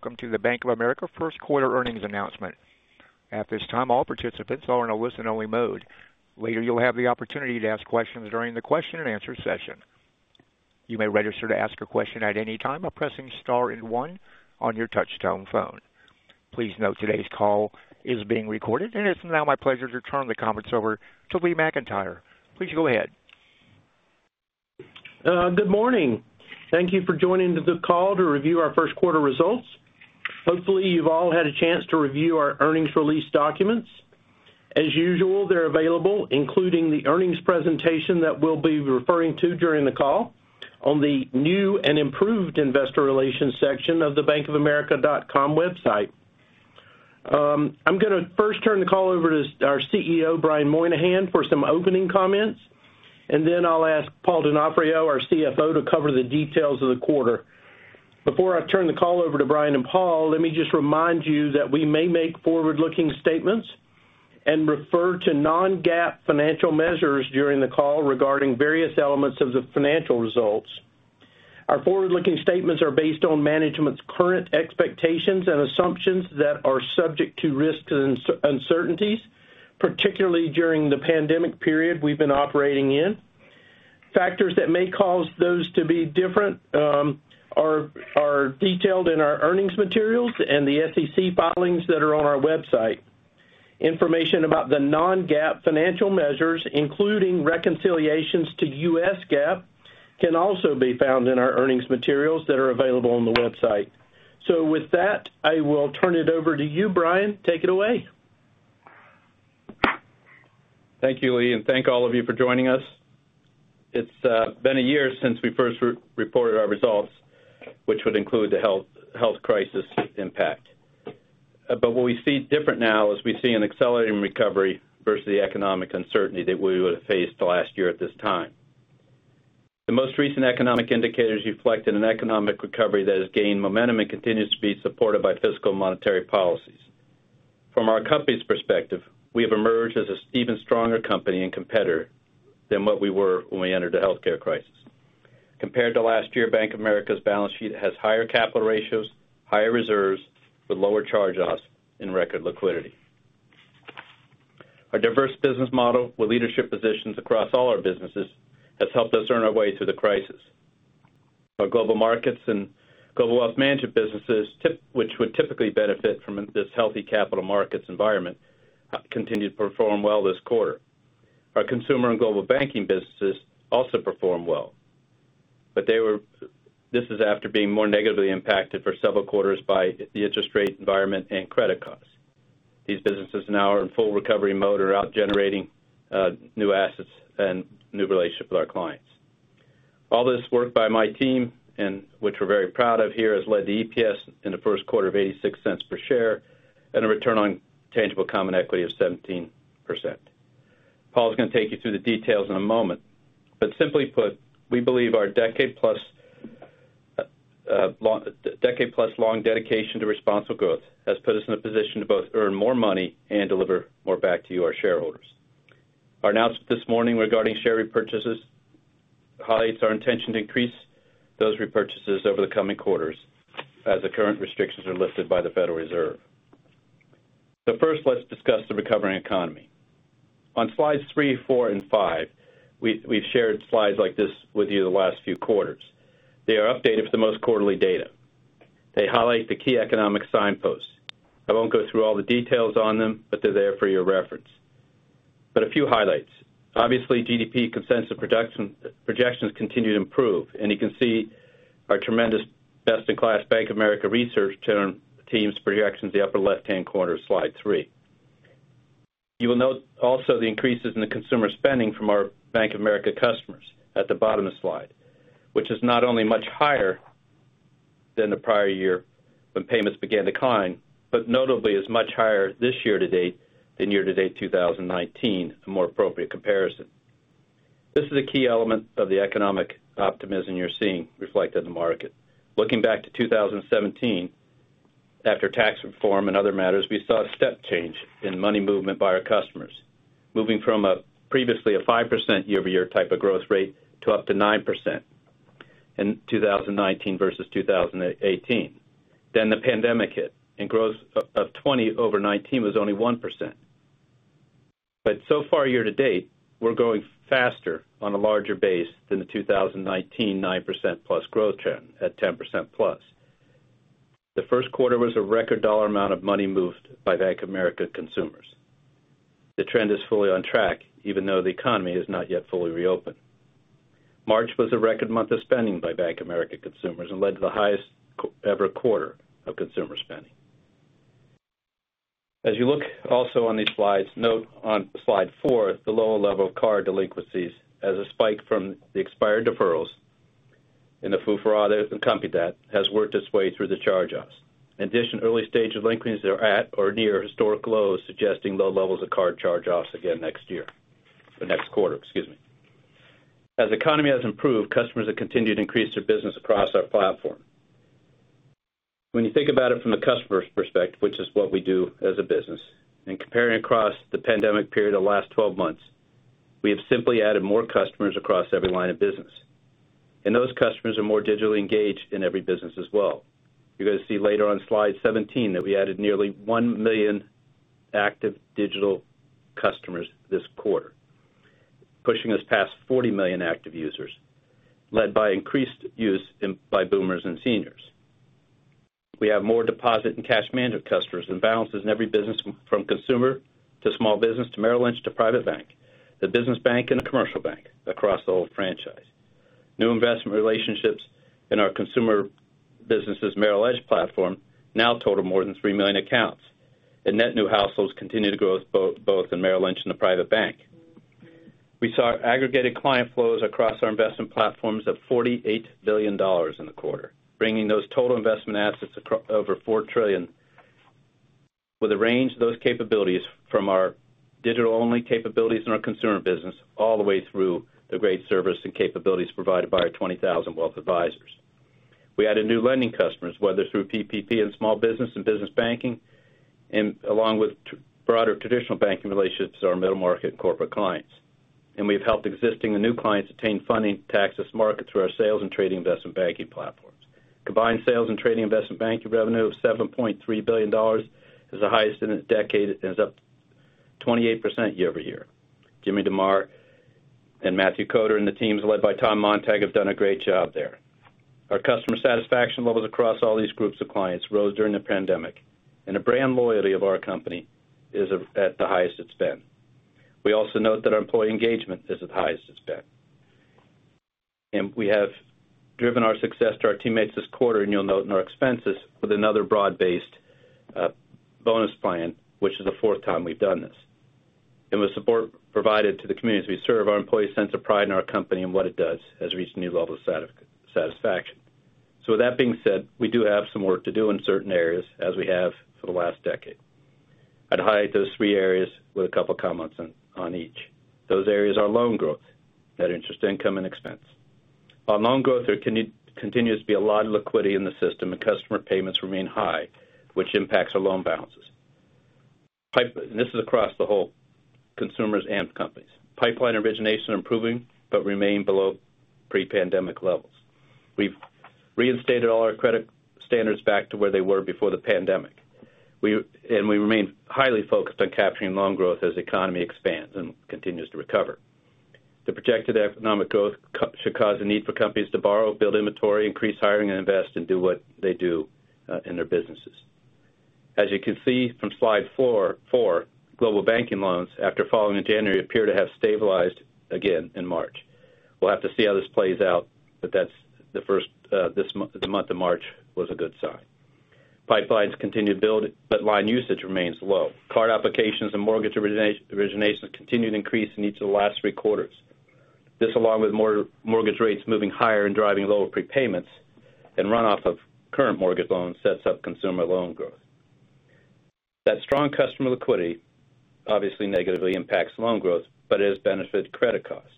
Welcome to the Bank of America first quarter earnings announcement. At this time all participants are in a listen-only mode. We will have an opportunity to ask questions during the question-and-answer session. You may register to ask a question at anytime by pressing star and one on your touchtone phone. Please note today's call is being recorded and it's now my pleasure to introduce Lee McEntire, please go ahead. Good morning. Thank you for joining the call to review our first quarter results. Hopefully, you've all had a chance to review our earnings release documents. As usual, they're available, including the earnings presentation that we'll be referring to during the call on the new and improved Investor Relations section of the bankofamerica.com website. I'm going to first turn the call over to our Chief Executive Officer, Brian Moynihan, for some opening comments, and then I'll ask Paul Donofrio, our Chief Financial Officer, to cover the details of the quarter. Before I turn the call over to Brian and Paul, let me just remind you that we may make forward-looking statements and refer to non-GAAP financial measures during the call regarding various elements of the financial results. Our forward-looking statements are based on management's current expectations and assumptions that are subject to risks and uncertainties, particularly during the pandemic period we've been operating in. Factors that may cause those to be different are detailed in our earnings materials and the SEC filings that are on our website. Information about the non-GAAP financial measures, including reconciliations to U.S. GAAP, can also be found in our earnings materials that are available on the website. With that, I will turn it over to you, Brian. Take it away. Thank you, Lee, and thank all of you for joining us. It's been a year since we first reported our results, which would include the health crisis impact. What we see different now is we see an accelerating recovery versus the economic uncertainty that we would've faced last year at this time. The most recent economic indicators reflect an economic recovery that has gained momentum and continues to be supported by fiscal and monetary policies. From our company's perspective, we have emerged as an even stronger company and competitor than what we were when we entered the healthcare crisis. Compared to last year, Bank of America's balance sheet has higher capital ratios, higher reserves with lower charge-offs, and record liquidity. Our diverse business model with leadership positions across all our businesses has helped us earn our way through the crisis. Our Global Markets and Global Wealth Management businesses, which would typically benefit from this healthy capital markets environment, continued to perform well this quarter. Our Consumer and Global Banking businesses also performed well. This is after being more negatively impacted for several quarters by the interest rate environment and credit costs. These businesses now are in full recovery mode, are out generating new assets and new relationships with our clients. All this work by my team, and which we're very proud of here, has led to EPS in the first quarter of $0.86 per share and a return on tangible common equity of 17%. Paul's going to take you through the details in a moment. Simply put, we believe our decade-plus long dedication to responsible growth has put us in a position to both earn more money and deliver more back to you, our shareholders. Our announcement this morning regarding share repurchases highlights our intention to increase those repurchases over the coming quarters as the current restrictions are lifted by the Federal Reserve. First, let's discuss the recovering economy. On slides three, four, and five, we've shared slides like this with you the last few quarters. They are updated with the most quarterly data. They highlight the key economic signposts. I won't go through all the details on them, but they're there for your reference. A few highlights. Obviously, GDP consensus projections continue to improve, and you can see our tremendous best-in-class Bank of America research team's projections in the upper left-hand corner of slide three. You will note also the increases in the consumer spending from our Bank of America customers at the bottom of the slide, which is not only much higher than the prior year when payments began to climb, but notably is much higher this year-to -date than year-to-date 2019, a more appropriate comparison. This is a key element of the economic optimism you're seeing reflected in the market. Looking back to 2017, after tax reform and other matters, we saw a step change in money movement by our customers, moving from previously a 5% year-over-year type of growth rate to up to 9% in 2019 versus 2018. The pandemic hit, and growth of 2020 over 2019 was only 1%. So far year to date, we're growing faster on a larger base than the 2019 9%-plus growth trend at 10%-plus. The first quarter was a record dollar amount of money moved by Bank of America consumers. The trend is fully on track, even though the economy has not yet fully reopened. March was a record month of spending by Bank of America consumers and led to the highest ever quarter of consumer spending. As you look also on these slides, note on slide four the lower level of card delinquencies as a spike from the expired deferrals and the [foofaraw] that accompanied that has worked its way through the charge-offs. In addition, early stage delinquencies are at or near historic lows, suggesting low levels of card charge-offs again next year. Or next quarter, excuse me. As the economy has improved, customers have continued to increase their business across our platform. When you think about it from the customer's perspective, which is what we do as a business, and comparing across the pandemic period of the last 12 months-We have simply added more customers across every line of business. Those customers are more digitally engaged in every business as well. You're going to see later on slide 17 that we added nearly 1 million active digital customers this quarter, pushing us past 40 million active users, led by increased use by boomers and seniors. We have more deposit and cash management customers and balances in every business, from consumer to small business to Merrill Lynch to Private Bank, the business bank, and the commercial bank across the whole franchise. New investment relationships in our Consumer Banking Merrill Edge platform now total more than 3 million accounts, and net new households continue to grow both in Merrill Lynch and the Private Bank. We saw aggregated client flows across our investment platforms of $48 billion in the quarter, bringing those total investment assets over 4 trillion, with a range of those capabilities from our digital-only capabilities in our Consumer Banking all the way through the great service and capabilities provided by our 20,000 wealth advisors. We added new lending customers, whether through PPP in small business and business banking, along with broader traditional banking relationships to our middle market and corporate clients. We've helped existing and new clients obtain funding to access markets through our sales and trading investment banking platforms. Combined sales and trading investment banking revenue of $7.3 billion is the highest in a decade, and is up 28% year-over-year. Jimmy DeMare and Matthew Koder and the teams led by Tom Montag have done a great job there. Our customer satisfaction levels across all these groups of clients rose during the pandemic, and the brand loyalty of our company is at the highest it's been. We also note that our employee engagement is at the highest it's been. We have driven our success to our teammates this quarter, and you'll note in our expenses, with another broad-based bonus plan, which is the fourth time we've done this. With support provided to the communities we serve, our employee sense of pride in our company and what it does has reached a new level of satisfaction. With that being said, we do have some work to do in certain areas as we have for the last decade. I'd highlight those three areas with a couple comments on each. Those areas are loan growth, net interest income, and expense. Loan growth, there continues to be a lot of liquidity in the system, and customer payments remain high, which impacts our loan balances. This is across the whole consumers and companies. Pipeline origination are improving but remain below pre-pandemic levels. We've reinstated all our credit standards back to where they were before the pandemic. We remain highly focused on capturing loan growth as the economy expands and continues to recover. The projected economic growth should cause a need for companies to borrow, build inventory, increase hiring, and invest, and do what they do in their businesses. As you can see from slide four, Global Banking loans, after falling in January, appear to have stabilized again in March. We'll have to see how this plays out, but the month of March was a good sign. Pipelines continue to build, but line usage remains low. Card applications and mortgage originations continued to increase in each of the last three quarters. This, along with mortgage rates moving higher and driving lower prepayments and runoff of current mortgage loans, sets up consumer loan growth. That strong customer liquidity obviously negatively impacts loan growth, but it has benefited credit costs.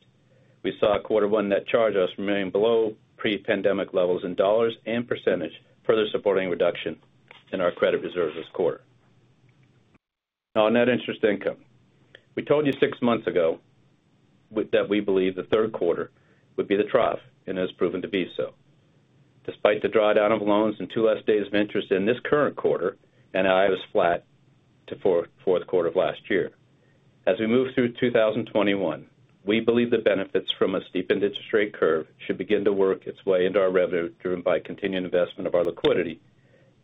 We saw quarter one net charge-offs remaining below pre-pandemic levels in dollars and percentage, further supporting reduction in our credit reserves this quarter. On net interest income. We told you six months ago that we believe the third quarter would be the trough, and it has proven to be so. Despite the drawdown of loans and two less days of interest in this current quarter, NII was flat to fourth quarter of last year. As we move through 2021, we believe the benefits from a steepened interest rate curve should begin to work its way into our revenue, driven by continuing investment of our liquidity,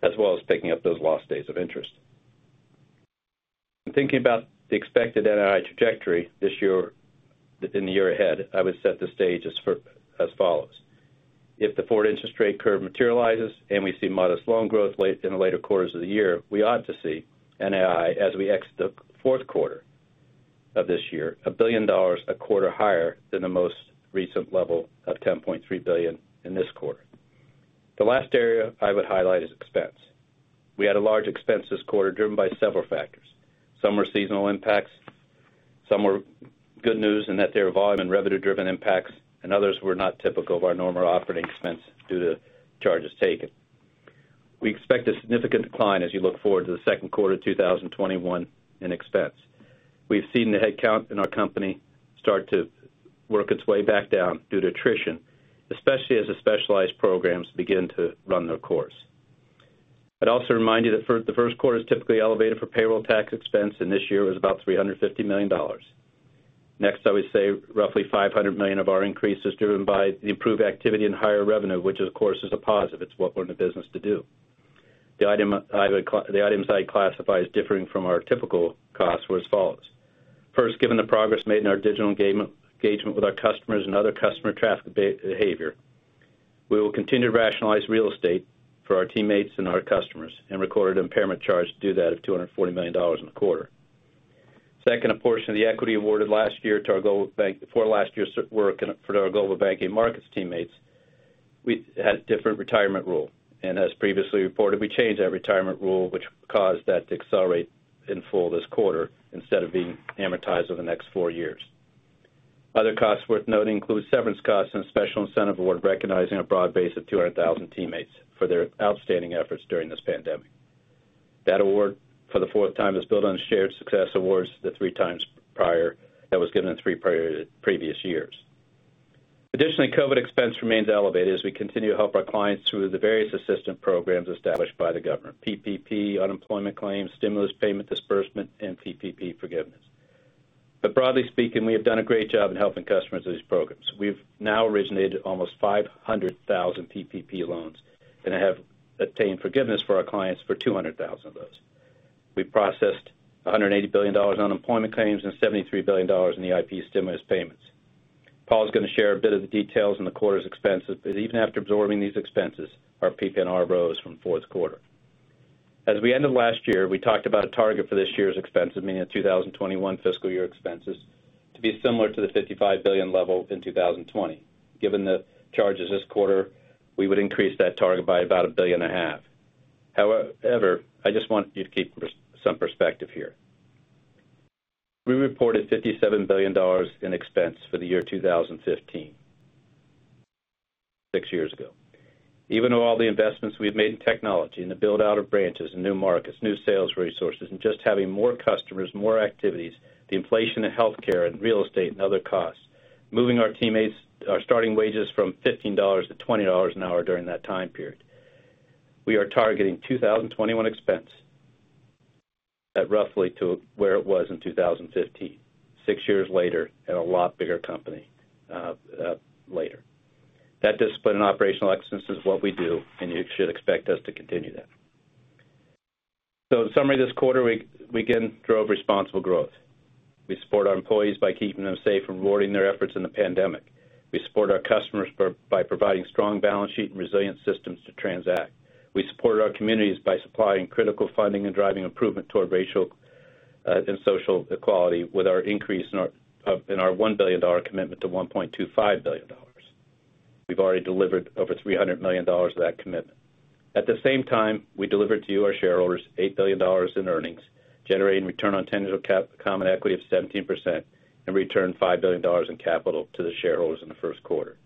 as well as picking up those lost days of interest. In thinking about the expected NII trajectory in the year ahead, I would set the stage as follows. If the forward interest rate curve materializes and we see modest loan growth in the later quarters of the year, we ought to see NII, as we exit the fourth quarter of this year, $1 billion a quarter higher than the most recent level of $10.3 billion in this quarter. The last area I would highlight is expense. We had a large expense this quarter, driven by several factors. Some were seasonal impacts, some were good news in that they were volume and revenue-driven impacts, and others were not typical of our normal operating expense due to charges taken. We expect a significant decline as you look forward to the second quarter 2021 in expense. We've seen the headcount in our company start to work its way back down due to attrition, especially as the specialized programs begin to run their course. I'd also remind you that the first quarter is typically elevated for payroll tax expense, and this year it was about $350 million. Next, I would say roughly $500 million of our increase is driven by the improved activity and higher revenue, which of course is a positive. It's what we're in the business to do. The items I'd classify as differing from our typical costs were as follows. First, given the progress made in our digital engagement with our customers and other customer traffic behavior, we will continue to rationalize real estate for our teammates and our customers, and recorded an impairment charge to do that of $240 million in the quarter. Second, a portion of the equity awarded for last year's work for our Global Banking Markets teammates, we had different retirement rule. As previously reported, we changed that retirement rule, which caused that to accelerate in full this quarter instead of being amortized over the next four years. Other costs worth noting include severance costs and special incentive award, recognizing a broad base of 200,000 teammates for their outstanding efforts during this pandemic. That award for the fourth time is built on shared success awards, the three times prior that was given in three previous years. Additionally, COVID expense remains elevated as we continue to help our clients through the various assistance programs established by the government, PPP, unemployment claims, stimulus payment disbursement, and PPP forgiveness. Broadly speaking, we have done a great job in helping customers with these programs. We've now originated almost 500,000 PPP loans and have obtained forgiveness for our clients for 200,000 of those. We processed $180 billion in unemployment claims and $73 billion in EIP stimulus payments. Paul's going to share a bit of the details on the quarter's expenses, even after absorbing these expenses, our PPNR rose from fourth quarter. As we ended last year, we talked about a target for this year's expense, meaning the 2021 fiscal year expenses, to be similar to the $55 billion level in 2020. Given the charges this quarter, we would increase that target by about a billion and a half. I just want you to keep some perspective here. We reported $57 billion in expense for the year 2015, six years ago. Even with all the investments we've made in technology, in the build-out of branches and new markets, new sales resources, and just having more customers, more activities, the inflation in healthcare and real estate and other costs, moving our teammates, our starting wages from $15 to $20 an hour during that time period. We are targeting 2021 expense at roughly to where it was in 2015, six years later and a lot bigger company later. That discipline in operational excellence is what we do, and you should expect us to continue that. In summary, this quarter, we again drove responsible growth. We support our employees by keeping them safe and rewarding their efforts in the pandemic. We support our customers by providing strong balance sheet and resilient systems to transact. We support our communities by supplying critical funding and driving improvement toward racial and social equality with our increase in our $1 billion commitment to $1.25 billion. We've already delivered over $300 million of that commitment. At the same time, we delivered to you, our shareholders, $8 billion in earnings, generating return on tangible common equity of 17% and returned $5 billion in capital to the shareholders in the first quarter.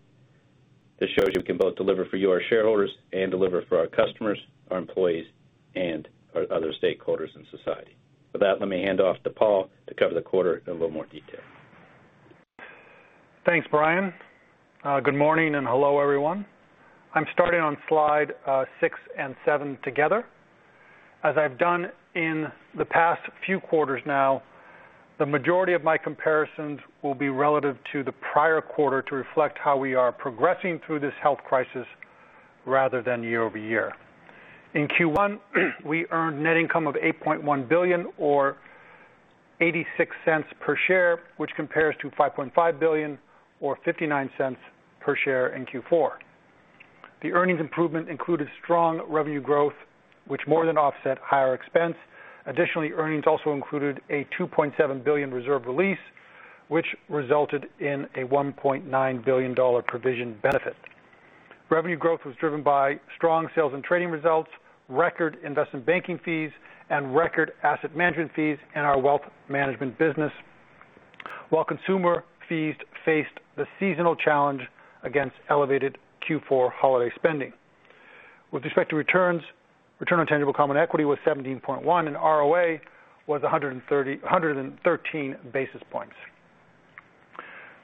This shows you we can both deliver for you, our shareholders, and deliver for our customers, our employees, and our other stakeholders in society. With that, let me hand off to Paul to cover the quarter in a little more detail. Thanks, Brian. Good morning, and hello, everyone. I am starting on slide six and seven together. As I have done in the past few quarters now, the majority of my comparisons will be relative to the prior quarter to reflect how we are progressing through this health crisis rather than year-over-year. In Q1, we earned net income of $8.1 billion or $0.86 per share, which compares to $5.5 billion or $0.59 per share in Q4. The earnings improvement included strong revenue growth which more than offset higher expense. Additionally, earnings also included a $2.7 billion reserve release which resulted in a $1.9 billion provision benefit. Revenue growth was driven by strong sales and trading results, record investment banking fees, and record asset management fees in our wealth management business while consumer fees faced the seasonal challenge against elevated Q4 holiday spending. With respect to returns, return on tangible common equity was 17.1% and ROA was 113 basis points.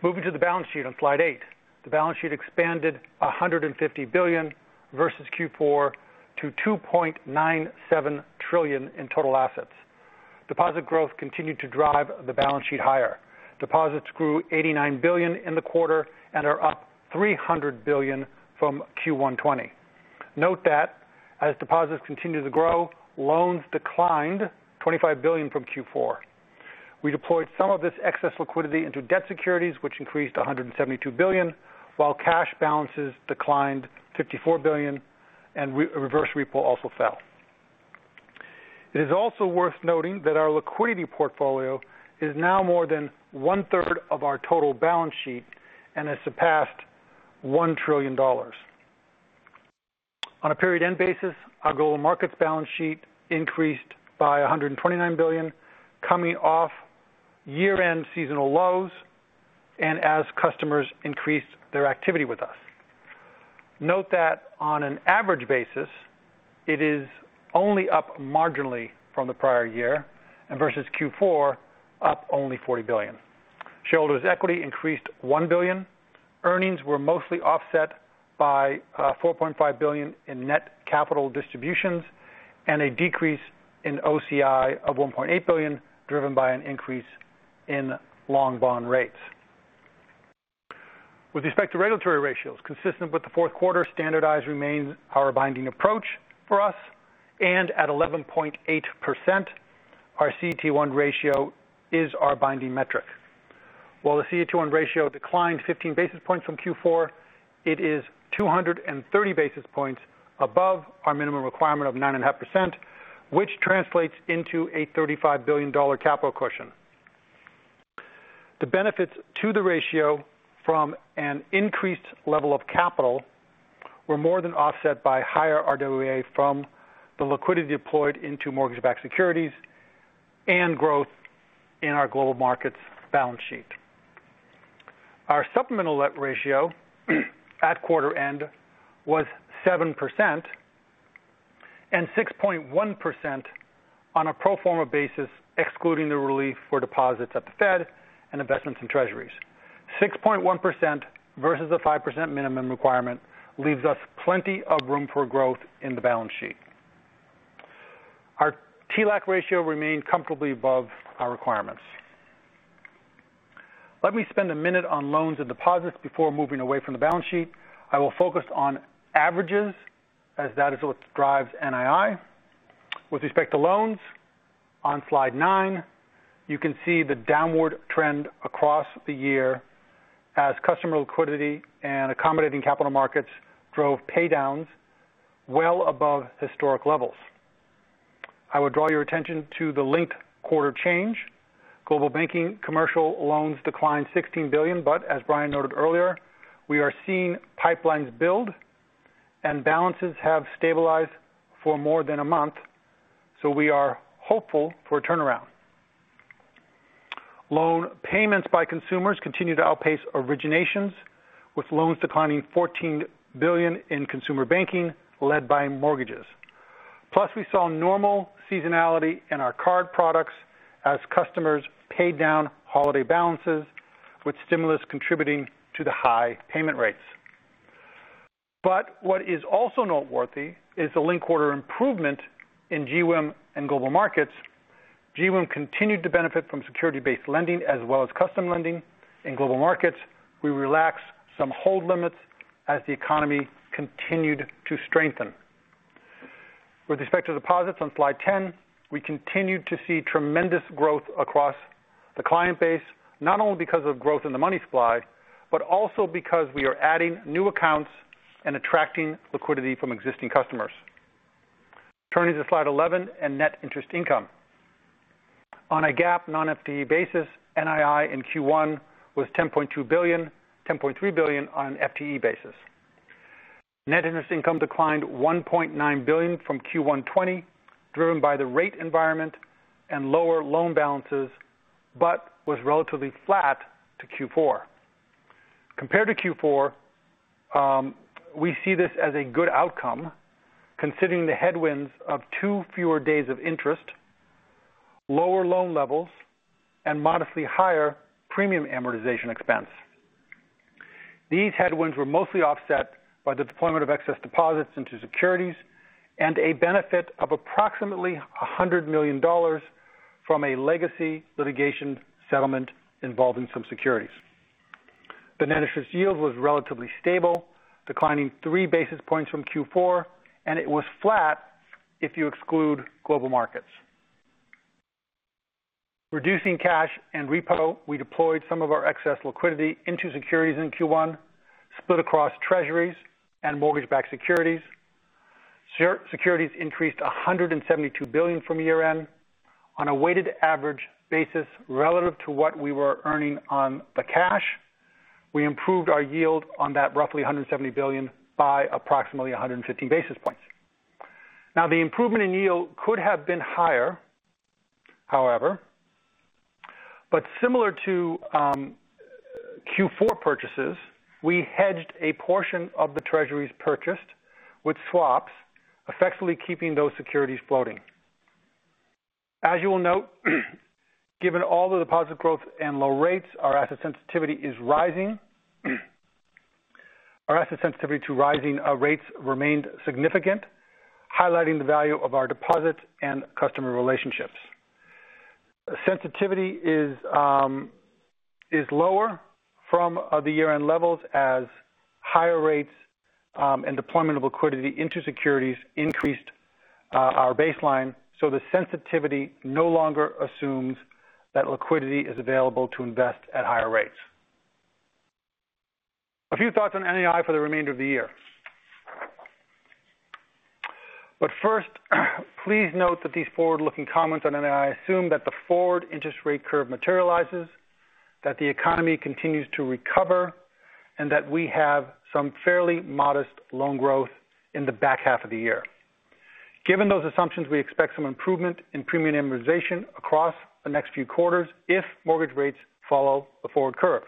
Moving to the balance sheet on slide eight. The balance sheet expanded $150 billion versus Q4 to $2.97 trillion in total assets. Deposit growth continued to drive the balance sheet higher. Deposits grew $89 billion in the quarter and are up $300 billion from Q1 2020. Note that as deposits continue to grow, loans declined $25 billion from Q4. We deployed some of this excess liquidity into debt securities, which increased $172 billion, while cash balances declined $54 billion and reverse repo also fell. It is also worth noting that our liquidity portfolio is now more than 1/3 of our total balance sheet and has surpassed $1 trillion. On a period-end basis, our Global Markets balance sheet increased by $129 billion coming off year-end seasonal lows and as customers increased their activity with us. Note that on an average basis, it is only up marginally from the prior year and versus Q4, up only $40 billion. Shareholders' equity increased $1 billion. Earnings were mostly offset by $4.5 billion in net capital distributions and a decrease in OCI of $1.8 billion driven by an increase in long bond rates. With respect to regulatory ratios, consistent with the fourth quarter, standardized remains our binding approach for us. At 11.8%, our CET1 ratio is our binding metric. While the CET1 ratio declined 15 basis points from Q4, it is 230 basis points above our minimum requirement of 9.5%, which translates into a $35 billion capital cushion. The benefits to the ratio from an increased level of capital were more than offset by higher RWA from the liquidity deployed into mortgage-backed securities and growth in our Global Markets balance sheet. Our supplemental ratio at quarter-end was 7% and 6.1% on a pro forma basis, excluding the relief for deposits at the Fed and investments in treasuries. 6.1% versus a 5% minimum requirement leaves us plenty of room for growth in the balance sheet. Our TLAC ratio remained comfortably above our requirements. Let me spend a minute on loans and deposits before moving away from the balance sheet. I will focus on averages, as that is what drives NII. With respect to loans, on slide nine, you can see the downward trend across the year as customer liquidity and accommodating capital markets drove paydowns well above historic levels. I would draw your attention to the linked quarter change. Global Banking commercial loans declined $16 billion, as Brian noted earlier, we are seeing pipelines build and balances have stabilized for more than a month. We are hopeful for a turnaround. Loan payments by consumers continue to outpace originations, with loans declining $14 billion in Consumer Banking led by mortgages. We saw normal seasonality in our card products as customers paid down holiday balances with stimulus contributing to the high payment rates. What is also noteworthy is the linked-quarter improvement in GWIM and Global Markets. GWIM continued to benefit from security-based lending as well as custom lending. In Global Markets, we relaxed some hold limits as the economy continued to strengthen. With respect to deposits on slide 10, we continued to see tremendous growth across the client base, not only because of growth in the money supply, but also because we are adding new accounts and attracting liquidity from existing customers. Turning to slide 11 and net interest income. On a GAAP non-FTE basis, NII in Q1 was $10.2 billion, $10.3 billion on an FTE basis. Net interest income declined $1.9 billion from Q1 2020, driven by the rate environment and lower loan balances, but was relatively flat to Q4. Compared to Q4, we see this as a good outcome considering the headwinds of two fewer days of interest, lower loan levels, and modestly higher premium amortization expense. These headwinds were mostly offset by the deployment of excess deposits into securities and a benefit of approximately $100 million from a legacy litigation settlement involving some securities. The net interest yield was relatively stable, declining three basis points from Q4. It was flat if you exclude Global Markets. Reducing cash and repo, we deployed some of our excess liquidity into securities in Q1, split across treasuries and mortgage-backed securities. Securities increased $172 billion from year-end. On a weighted average basis relative to what we were earning on the cash, we improved our yield on that roughly $170 billion by approximately 150 basis points. The improvement in yield could have been higher, however, but similar to Q4 purchases, we hedged a portion of the treasuries purchased with swaps, effectively keeping those securities floating. You will note, given all the deposit growth and low rates, our asset sensitivity is rising. Our asset sensitivity to rising rates remained significant, highlighting the value of our deposits and customer relationships. Sensitivity is lower from the year-end levels as higher rates and deployment of liquidity into securities increased our baseline, so the sensitivity no longer assumes that liquidity is available to invest at higher rates. A few thoughts on NII for the remainder of the year. First, please note that these forward-looking comments on NII assume that the forward interest rate curve materializes, that the economy continues to recover, and that we have some fairly modest loan growth in the back half of the year. Given those assumptions, we expect some improvement in premium amortization across the next few quarters if mortgage rates follow the forward curve.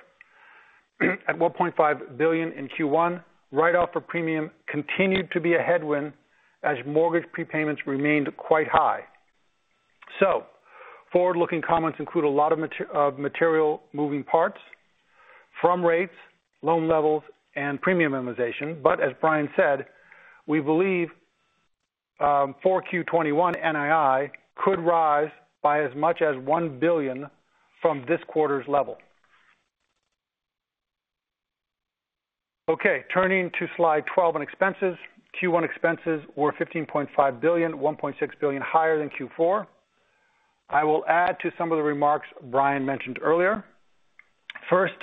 At $1.5 billion in Q1, write-off for premium continued to be a headwind as mortgage prepayments remained quite high. Forward-looking comments include a lot of material moving parts from rates, loan levels, and premium amortization. As Brian said, we believe 4Q 2021 NII could rise by as much as $1 billion from this quarter's level. Okay, turning to slide 12 on expenses. Q1 expenses were $15.5 billion, $1.6 billion higher than Q4. I will add to some of the remarks Brian mentioned earlier. First,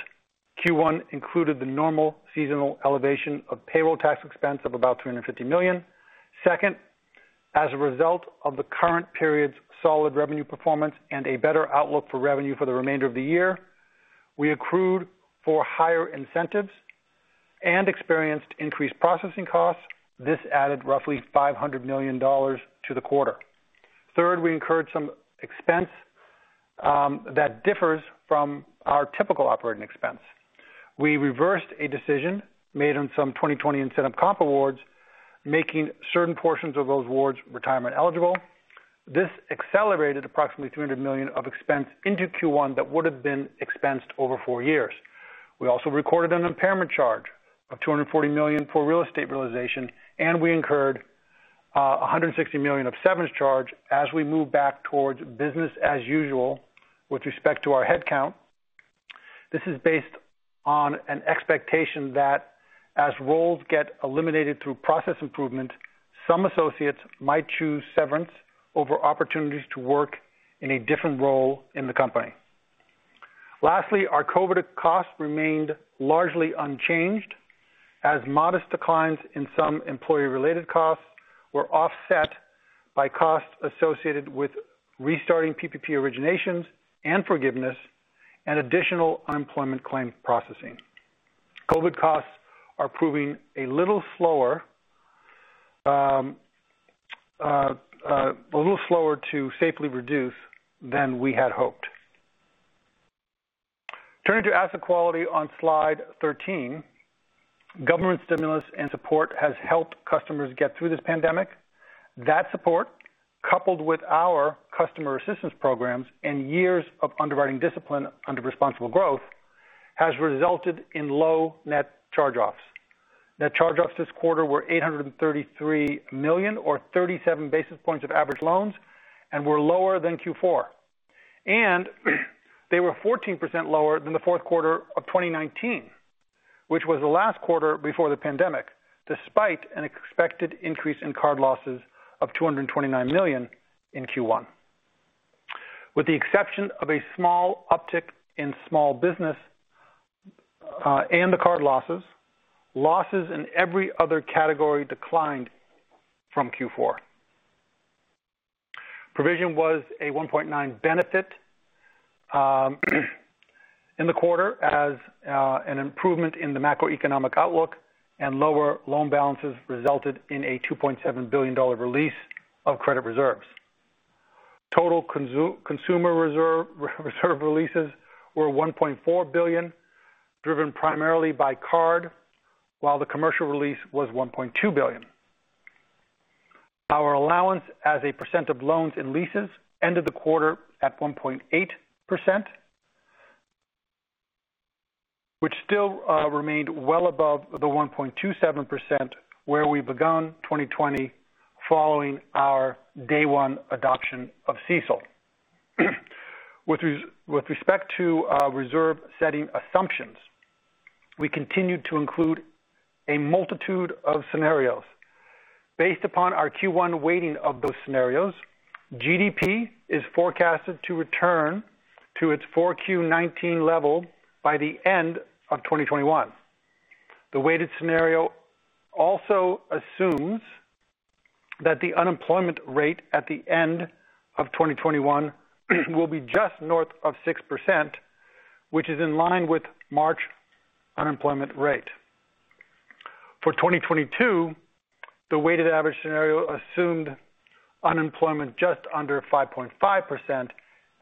Q1 included the normal seasonal elevation of payroll tax expense of about $350 million. Second, as a result of the current period's solid revenue performance and a better outlook for revenue for the remainder of the year, we accrued for higher incentives. We experienced increased processing costs. This added roughly $500 million to the quarter. Third, we incurred some expense that differs from our typical operating expense. We reversed a decision made on some 2020 incentive comp awards, making certain portions of those awards retirement eligible. This accelerated approximately $300 million of expense into Q1 that would've been expensed over four years. We also recorded an impairment charge of $240 million for real estate rationalization, and we incurred $160 million of severance charge as we move back towards business as usual with respect to our head count. This is based on an expectation that as roles get eliminated through process improvement, some associates might choose severance over opportunities to work in a different role in the company. Lastly, our COVID costs remained largely unchanged as modest declines in some employee-related costs were offset by costs associated with restarting PPP originations and forgiveness and additional unemployment claim processing. COVID costs are proving a little slower to safely reduce than we had hoped. Turning to asset quality on slide 13. Government stimulus and support has helped customers get through this pandemic. That support, coupled with our customer assistance programs and years of underwriting discipline under responsible growth, has resulted in low net charge-offs. Net charge-offs this quarter were $833 million, or 37 basis points of average loans, and were lower than Q4. They were 14% lower than the fourth quarter of 2019, which was the last quarter before the pandemic, despite an expected increase in card losses of $229 million in Q1. With the exception of a small uptick in small business and the card losses in every other category declined from Q4. Provision was a $1.9 billion benefit in the quarter as an improvement in the macroeconomic outlook and lower loan balances resulted in a $2.7 billion release of credit reserves. Total consumer reserve releases were $1.4 billion, driven primarily by card, while the commercial release was $1.2 billion. Our allowance as a percent of loans and leases ended the quarter at 1.8%, which still remained well above the 1.27% where we begun 2020 following our day one adoption of CECL. With respect to reserve setting assumptions, we continued to include a multitude of scenarios. Based upon our Q1 weighting of those scenarios, GDP is forecasted to return to its 4Q 2019 level by the end of 2021. The weighted scenario also assumes that the unemployment rate at the end of 2021 will be just north of 6%, which is in line with March unemployment rate. For 2022, the weighted average scenario assumed unemployment just under 5.5%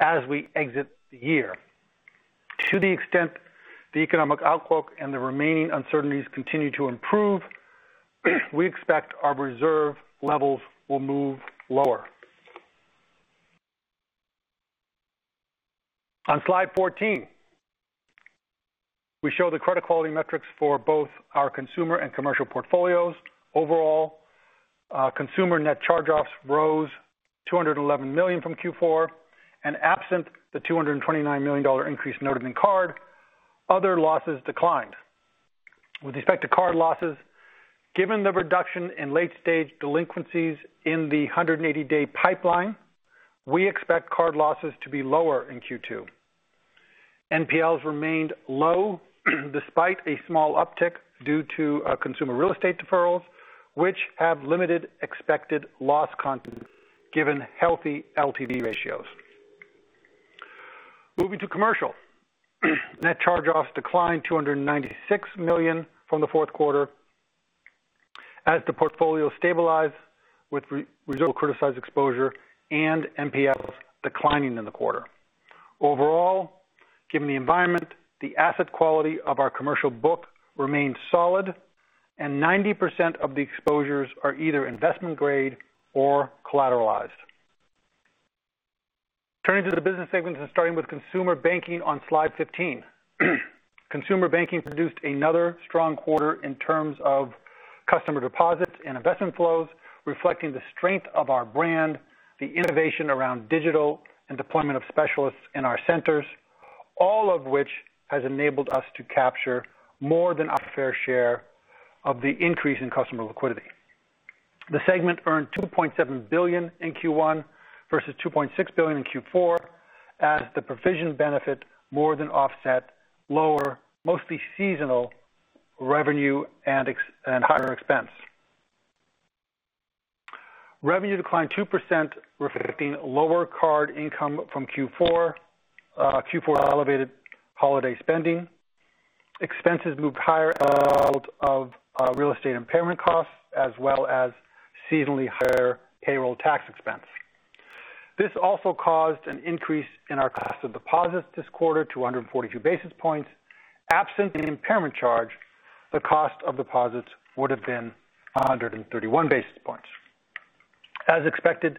as we exit the year. To the extent the economic outlook and the remaining uncertainties continue to improve, we expect our reserve levels will move lower. On slide 14, we show the credit quality metrics for both our consumer and commercial portfolios. Overall, consumer net charge-offs rose $211 million from Q4, and absent the $229 million increase noted in card, other losses declined. We'd expect the card losses given the reduction in late stage delinquencies in the 180-day pipeline we expect card losses to be lower in Q2. NPLs remained low despite a small uptick due to consumer real estate deferrals, which have limited expected loss content given healthy LTV ratios. Moving to commercial. Net charge-offs declined $296 million from the fourth quarter as the portfolio stabilized with reserve criticized exposure and NPLs declining in the quarter. Overall, given the environment, the asset quality of our commercial book remained solid, and 90% of the exposures are either investment grade or collateralized. Turning to the business segments and starting with Consumer Banking on slide 15. Consumer Banking produced another strong quarter in terms of customer deposits and investment flows, reflecting the strength of our brand, the innovation around digital and deployment of specialists in our centers, all of which has enabled us to capture more than our fair share of the increase in customer liquidity. The segment earned $2.7 billion in Q1 versus $2.6 billion in Q4 as the provision benefit more than offset lower mostly seasonal revenue and higher expense. Revenue declined 2%, reflecting lower card income from Q4 elevated holiday spending. Expenses moved higher because of real estate impairment costs, as well as seasonally higher payroll tax expense. This also caused an increase in our cost of deposits this quarter to 142 basis points. Absent an impairment charge, the cost of deposits would've been 131 basis points. As expected,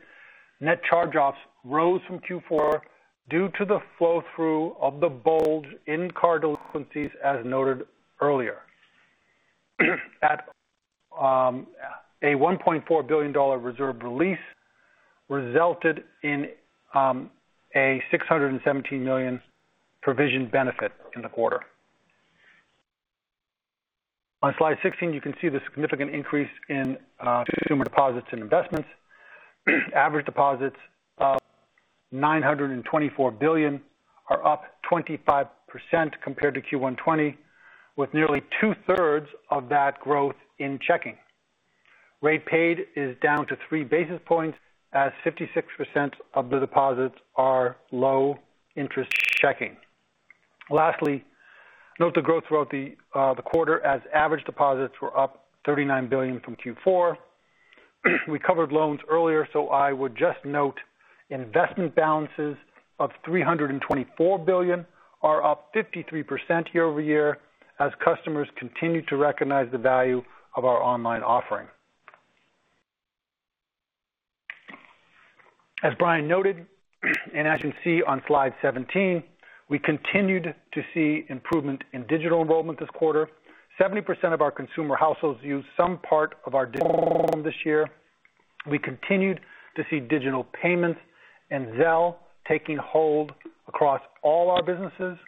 net charge-offs rose from Q4 due to the flow-through of the bulge in card delinquencies, as noted earlier. A $1.4 billion reserve release resulted in a $617 million provision benefit in the quarter. On slide 16, you can see the significant increase in consumer deposits and investments. Average deposits of $924 billion are up 25% compared to Q1 2020, with nearly two-thirds of that growth in checking. Rate paid is down to 3 basis points as 56% of the deposits are low-interest checking. Note the growth throughout the quarter as average deposits were up $39 billion from Q4. We covered loans earlier. I would just note investment balances of $324 billion are up 53% year-over-year as customers continue to recognize the value of our online offering. As Brian noted, and as you can see on slide 17, we continued to see improvement in digital enrollment this quarter. 70% of our consumer households used some part of our digital platform this year. We continued to see digital payments and Zelle taking hold across all our businesses.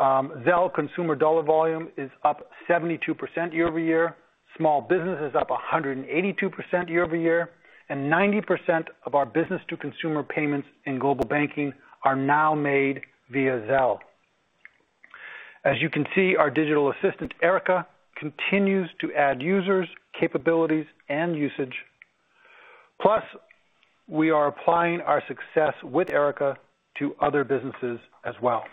Zelle consumer dollar volume is up 72% year-over-year. Small business is up 182% year-over-year. 90% of our business-to-consumer payments in Global Banking are now made via Zelle. As you can see, our digital assistant, Erica, continues to add users, capabilities, and usage. Plus, we are applying our success with Erica to other businesses as well.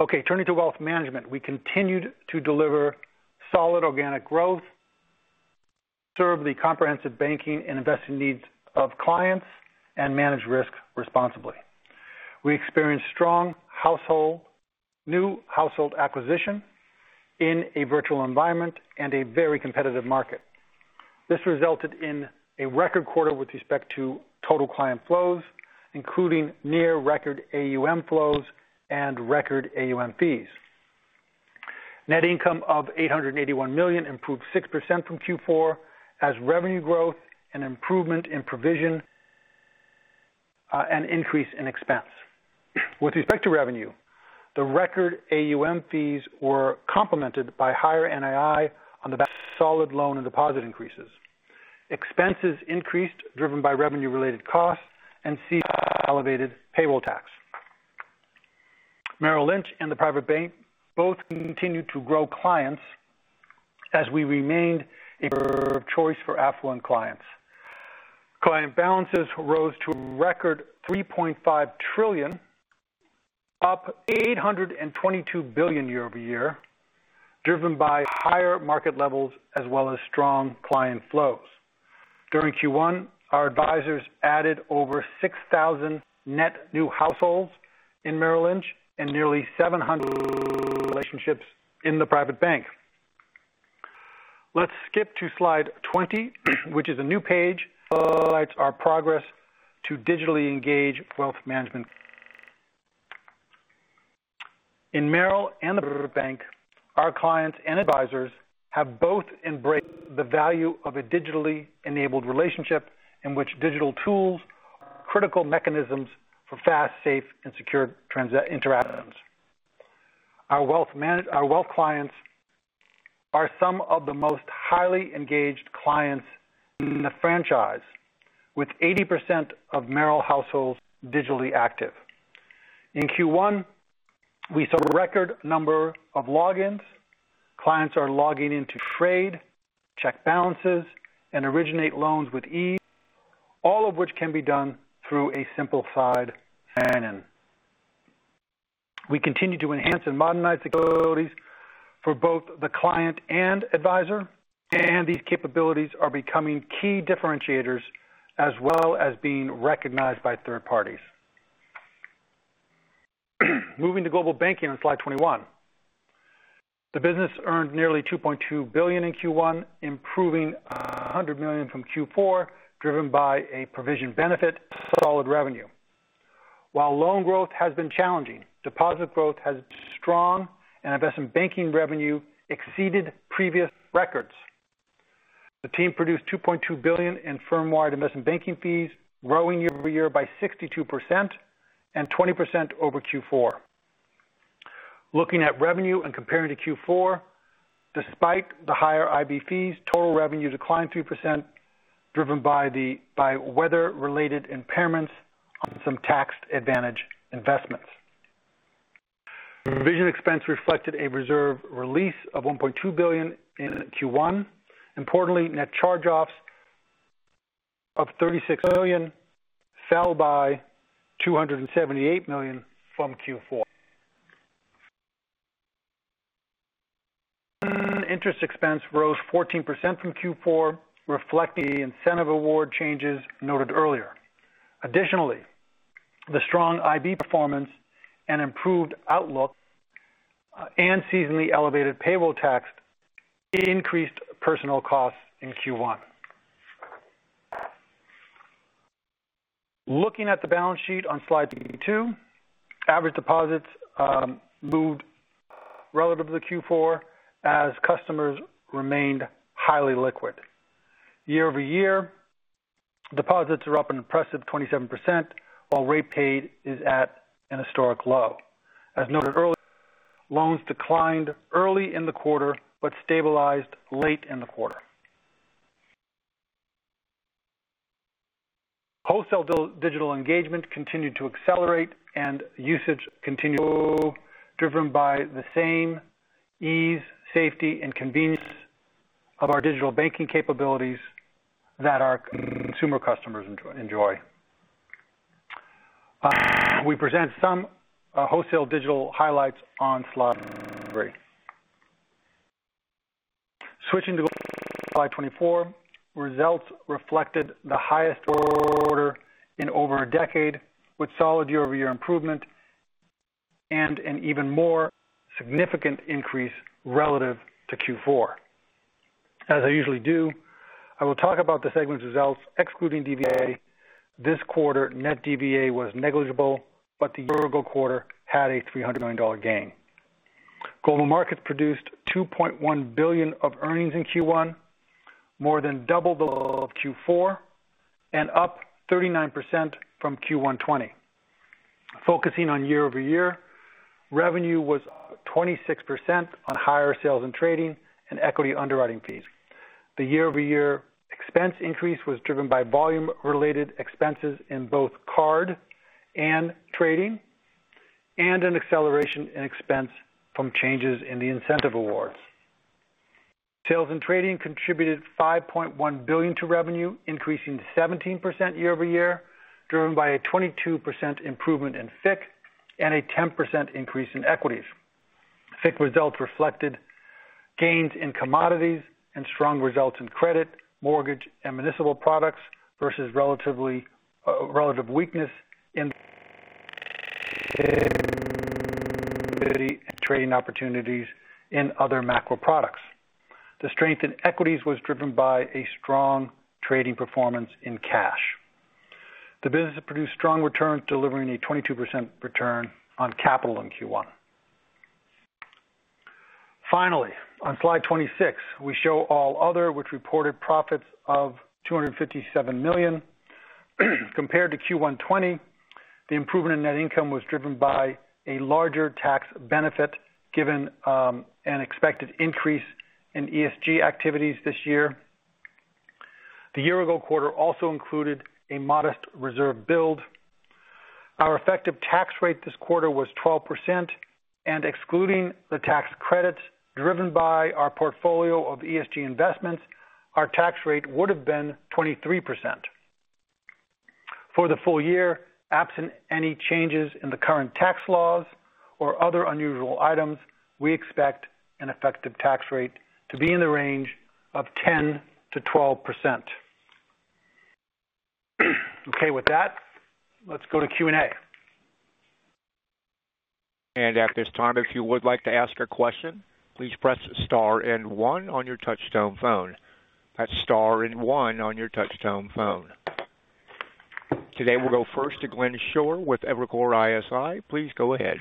Okay, turning to wealth management, we continued to deliver solid organic growth, serve the comprehensive banking and investing needs of clients, and manage risk responsibly. We experienced strong new household acquisition in a virtual environment and a very competitive market. This resulted in a record quarter with respect to total client flows, including near record AUM flows and record AUM fees. Net income of $881 million improved 6% from Q4 as revenue growth and improvement in provision, and increase in expense. With respect to revenue, the record AUM fees were complemented by higher NII on the back of solid loan and deposit increases. Expenses increased driven by revenue-related costs and elevated payroll tax. Merrill Lynch and the Private Bank both continued to grow clients as we remained a group of choice for affluent clients. Client balances rose to a record $3.5 trillion, up $822 billion year-over-year, driven by higher market levels as well as strong client flows. During Q1, our advisors added over 6,000 net new households in Merrill Lynch and nearly 700 relationships in the Private Bank. Let's skip to slide 20, which is a new page. It highlights our progress to digitally engage wealth management. In Merrill and the Private Bank, our clients and advisors have both embraced the value of a digitally enabled relationship in which digital tools are critical mechanisms for fast, safe, and secure interactions. Our wealth clients are some of the most highly engaged clients in the franchise, with 80% of Merrill households digitally active. In Q1, we saw a record number of logins. Clients are logging in to trade, check balances, and originate loans with ease, all of which can be done through a simplified sign-in. We continue to enhance and modernize capabilities for both the client and advisor. These capabilities are becoming key differentiators as well as being recognized by third parties. Moving to Global Banking on slide 21. The business earned nearly $2.2 billion in Q1, improving $100 million from Q4, driven by a provision benefit solid revenue. While loan growth has been challenging, deposit growth has been strong, and investment banking revenue exceeded previous records. The team produced $2.2 billion in firm-wide investment banking fees, growing year-over-year by 62% and 20% over Q4. Looking at revenue and comparing to Q4, despite the higher IB fees, total revenue declined 3%, driven by weather-related impairments on some tax-advantaged investments. Provision expense reflected a reserve release of $1.2 billion in Q1. Importantly, net charge-offs of $36 million fell by $278 million from Q4. Interest expense rose 14% from Q4, reflecting the incentive award changes noted earlier. The strong IB performance and improved outlook, and seasonally elevated payroll tax increased personal costs in Q1. Looking at the balance sheet on slide 22, average deposits moved relative to Q4 as customers remained highly liquid. Year-over-year, deposits are up an impressive 27%, while rate paid is at an historic low. As noted earlier, loans declined early in the quarter but stabilized late in the quarter. Wholesale digital engagement continued to accelerate and usage continued to grow, driven by the same ease, safety, and convenience of our digital banking capabilities that our consumer customers enjoy. We present some wholesale digital highlights on slide three. Switching to slide 24, results reflected the highest quarter in over a decade with solid year-over-year improvement and an even more significant increase relative to Q4. As I usually do, I will talk about the segment results excluding DVA. This quarter, net DVA was negligible, but the year-ago quarter had a $300 million gain. Global Markets produced $2.1 billion of earnings in Q1, more than double the level of Q4 and up 39% from Q1 2020. Focusing on year-over-year, revenue was up 26% on higher sales and trading and equity underwriting fees. The year-over-year expense increase was driven by volume-related expenses in both card and trading, and an acceleration in expense from changes in the incentive awards. Sales and trading contributed $5.1 billion to revenue, increasing 17% year-over-year, driven by a 22% improvement in FICC and a 10% increase in equities. FICC results reflected gains in commodities and strong results in credit, mortgage, and municipal products versus relative weakness in trading opportunities in other macro products. The strength in equities was driven by a strong trading performance in cash. The business produced strong returns, delivering a 22% return on capital in Q1. Finally, on slide 26, we show all other which reported profits of $257 million. Compared to Q1 2020, the improvement in net income was driven by a larger tax benefit given an expected increase in ESG activities this year. The year-ago quarter also included a modest reserve build. Our effective tax rate this quarter was 12%, and excluding the tax credits driven by our portfolio of ESG investments, our tax rate would have been 23%. For the full year, absent any changes in the current tax laws or other unusual items, we expect an effective tax rate to be in the range of 10%-12%. Okay, with that, let's go to Q&A. At this time, if you would like to ask a question, please press star and one on your touchtone phone. That's star and one on your touchtone phone. Today, we'll go first to Glenn Schorr with Evercore ISI, please go ahead.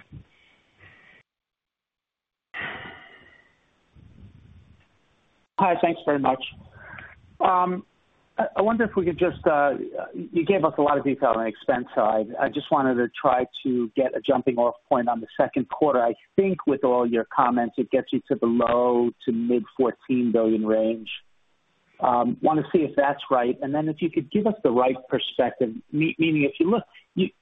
Hi, thanks very much. I wonder if we could. You gave us a lot of detail on the expense side. I just wanted to try to get a jumping-off point on the second quarter. I think with all your comments, it gets you to the low to mid $14 billion range. Want to see if that's right, and then if you could give us the right perspective, meaning if you look,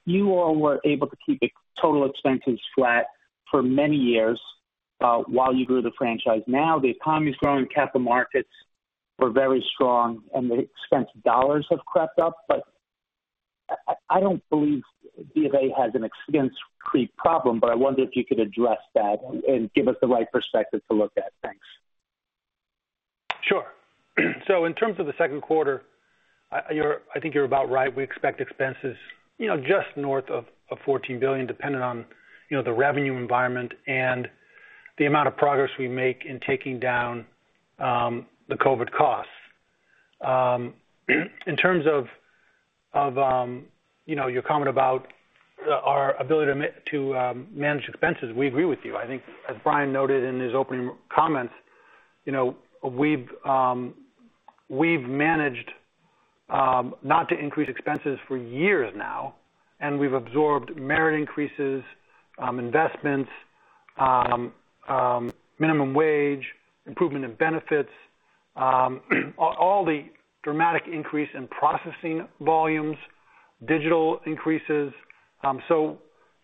you all were able to keep the total expenses flat for many years while you grew the franchise. Now the economy's growing, capital markets were very strong, and the expense dollars have crept up. I don't believe BofA has an expense creep problem, but I wonder if you could address that and give us the right perspective to look at. Thanks. Sure. In terms of the second quarter, I think you're about right. We expect expenses just north of $14 billion depending on the revenue environment and the amount of progress we make in taking down the COVID costs. In terms of your comment about our ability to manage expenses, we agree with you. I think as Brian noted in his opening comments, we've managed not to increase expenses for years now, and we've absorbed merit increases, investments, minimum wage, improvement in benefits, all the dramatic increase in processing volumes, Digital increases.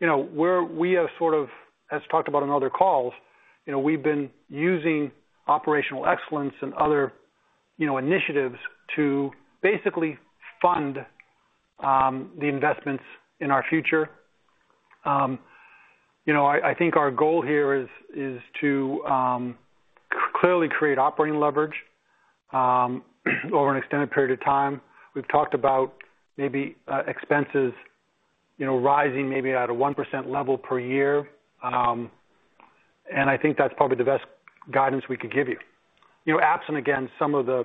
We have sort of, as talked about on other calls, we've been using operational excellence and other initiatives to basically fund the investments in our future. I think our goal here is to clearly create operating leverage over an extended period of time. We've talked about maybe expenses rising at a 1% level per year. I think that's probably the best guidance we could give you. Absent again, some of the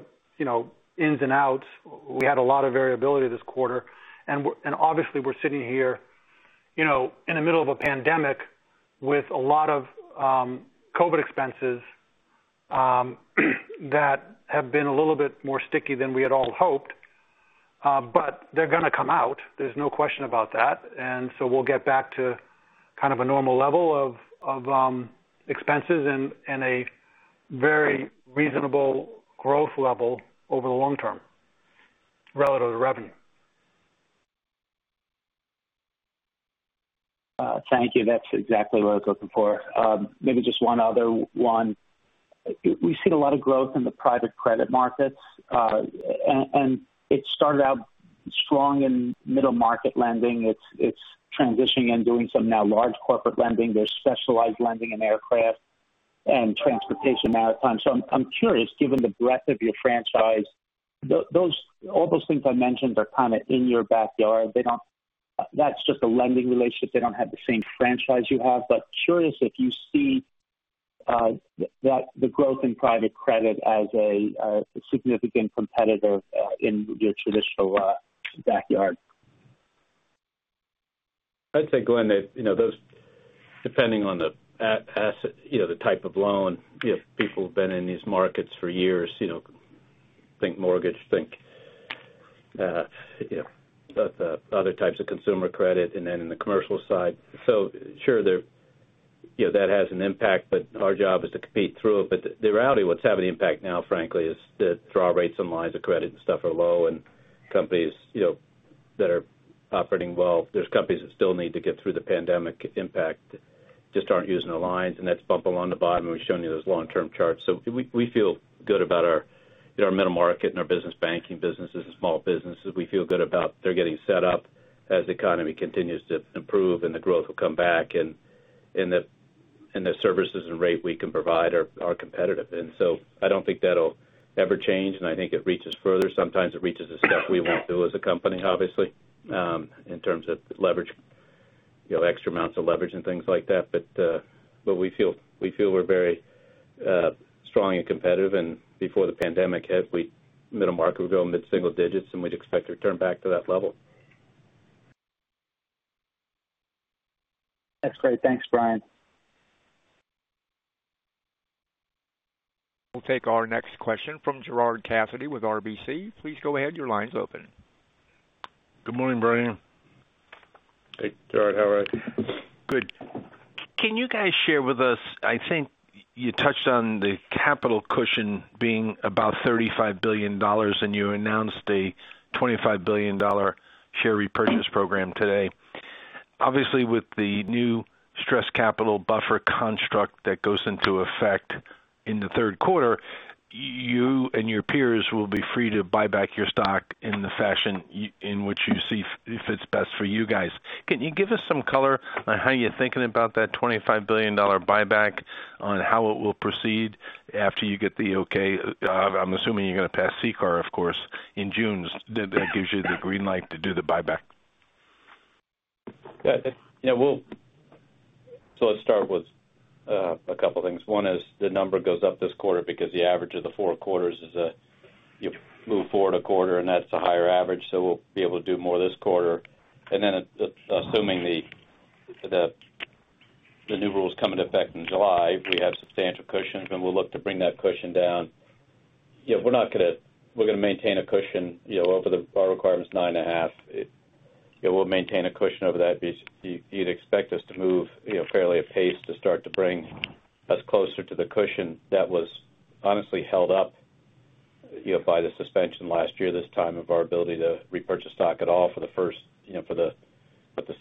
ins and outs. We had a lot of variability this quarter, and obviously we're sitting here in the middle of a pandemic with a lot of COVID expenses that have been a little bit more sticky than we had all hoped. They're going to come out, there's no question about that. We'll get back to kind of a normal level of expenses and a very reasonable growth level over the long term relative to revenue. Thank you. That's exactly what I was looking for. Maybe just one other one. We've seen a lot of growth in the private credit markets. It started out strong in middle market lending. It's transitioning and doing some now large corporate lending. There's specialized lending in aircraft and transportation, maritime. I'm curious, given the breadth of your franchise, all those things I mentioned are kind of in your backyard. That's just a lending relationship. They don't have the same franchise you have. Curious if you see the growth in private credit as a significant competitor in your traditional backyard. I'd say, Glenn, depending on the type of loan. People have been in these markets for years, think mortgage, think other types of consumer credit, and then in the commercial side. Sure, that has an impact, but our job is to compete through it. The reality what's having an impact now, frankly, is that draw rates and lines of credit and stuff are low and companies that are operating well. There's companies that still need to get through the pandemic impact just aren't using the lines, and that's bumping along the bottom. We've shown you those long-term charts. We feel good about our middle market and our business banking businesses and small businesses. We feel good about they're getting set up as the economy continues to improve and the growth will come back. The services and rate we can provide are competitive. I don't think that'll ever change. I think it reaches further. Sometimes it reaches the stuff we won't do as a company, obviously in terms of leverage, extra amounts of leverage and things like that. We feel we're very strong and competitive. Before the pandemic hit middle market, we were going mid-single digits, and we'd expect to return back to that level. That's great. Thanks, Brian. We'll take our next question from Gerard Cassidy with RBC. Please go ahead, your line's open. Good morning, Brian? Hey, Gerard, how are you? Good. Can you guys share with us, I think you touched on the capital cushion being about $35 billion, and you announced a $25 billion share repurchase program today. Obviously, with the new stress capital buffer construct that goes into effect in the third quarter, you and your peers will be free to buy back your stock in the fashion in which you see fits best for you guys. Can you give us some color on how you're thinking about that $25 billion buyback on how it will proceed after you get the okay? I'm assuming you're going to pass CCAR, of course, in June. That gives you the green light to do the buyback. Let's start with a couple of things. One is the number goes up this quarter because the average of the four quarters is you move forward a quarter and that's a higher average. We'll be able to do more this quarter. Then assuming the new rules come into effect in July, we have substantial cushions, and we'll look to bring that cushion down. We're going to maintain a cushion over the buffer requirement's 9.5. We'll maintain a cushion over that. You'd expect us to move fairly apace to start to bring us closer to the cushion that was honestly held up by the suspension last year this time of our ability to repurchase stock at all for the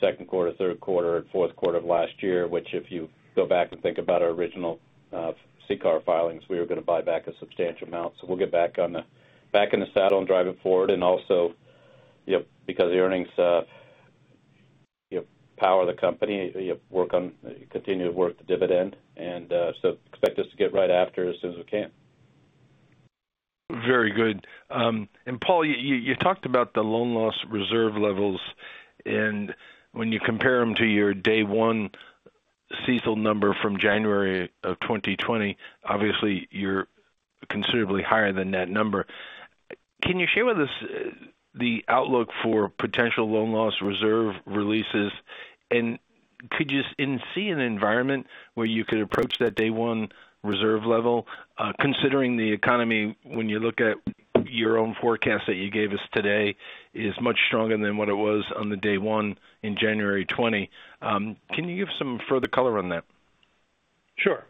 second quarter, third quarter, and fourth quarter of last year. Which if you go back and think about our original CCAR filings, we were going to buy back a substantial amount. We'll get back in the saddle and drive it forward. Also because earnings power the company, continue to work the dividend, expect us to get right after it as soon as we can. Very good. Paul, you talked about the loan loss reserve levels, and when you compare them to your day one CECL number from January of 2020, obviously you're considerably higher than that number. Can you share with us the outlook for potential loan loss reserve releases, and could you see an environment where you could approach that day one reserve level considering the economy when you look at your own forecast that you gave us today is much stronger than what it was on the day one in January 2020? Can you give some further color on that? Sure.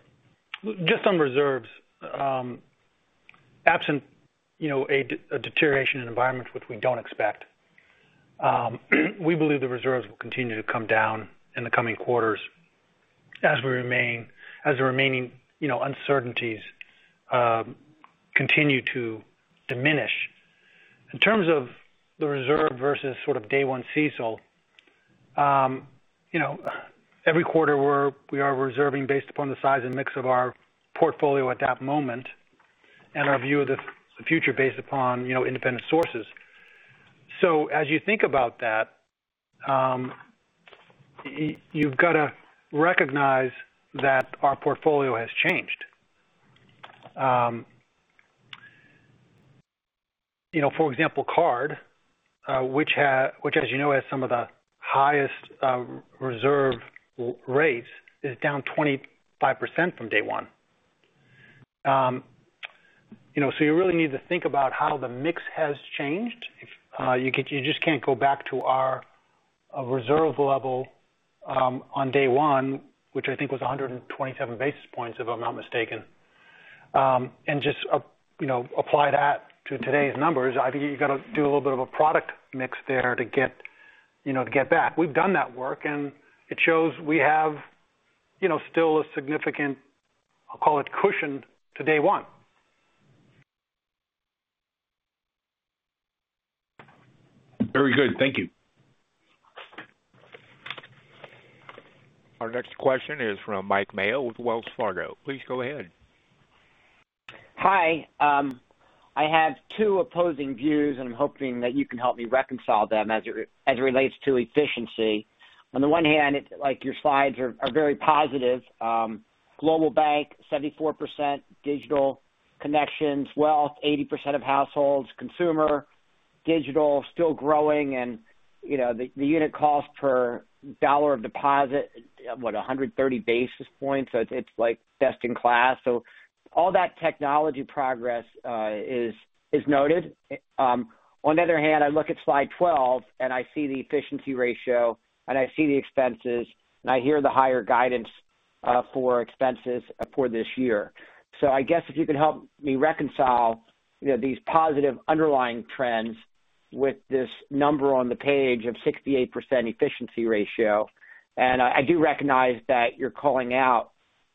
Just on reserves. Absent a deterioration in environment, which we don't expect, we believe the reserves will continue to come down in the coming quarters as the remaining uncertainties continue to diminish. In terms of the reserve versus day one CECL, every quarter we are reserving based upon the size and mix of our portfolio at that moment and our view of the future based upon independent sources. As you think about that, you've got to recognize that our portfolio has changed. For example, card which as you know, has some of the highest reserve rates, is down 25% from day one. You really need to think about how the mix has changed. You just can't go back to our reserve level on day one, which I think was 127 basis points if I'm not mistaken. Just apply that to today's numbers. I think you got to do a little bit of a product mix there to get back. We've done that work, and it shows we have still a significant, I'll call it cushion to day one. Very good. Thank you. Our next question is from Mike Mayo with Wells Fargo, please go ahead. Hi? I have two opposing views, and I'm hoping that you can help me reconcile them as it relates to efficiency. On the one hand, your slides are very positive. Global Banking, 74% digital connections, Wealth, 80% of households, Consumer digital still growing, and the unit cost per dollar of deposit, what, 130 basis points. It's best in class. All that technology progress is noted. On the other hand, I look at slide 12, and I see the efficiency ratio, and I see the expenses, and I hear the higher guidance for expenses for this year. I guess if you could help me reconcile these positive underlying trends with this number on the page of 68% efficiency ratio. I do recognize that you're calling out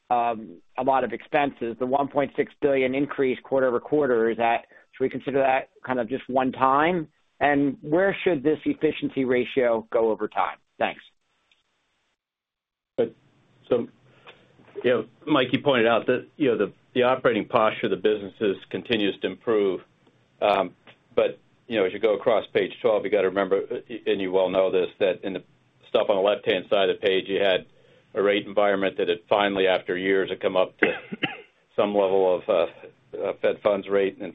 a lot of expenses. The $1.6 billion increase quarter-over-quarter, should we consider that kind of just one time? Where should this efficiency ratio go over time? Thanks. Mike, you pointed out that the operating posture of the businesses continues to improve. As you go across page 12, you got to remember, and you well know this, that in the stuff on the left-hand side of the page, you had a rate environment that had finally, after years, had come up to some level of Fed funds rate and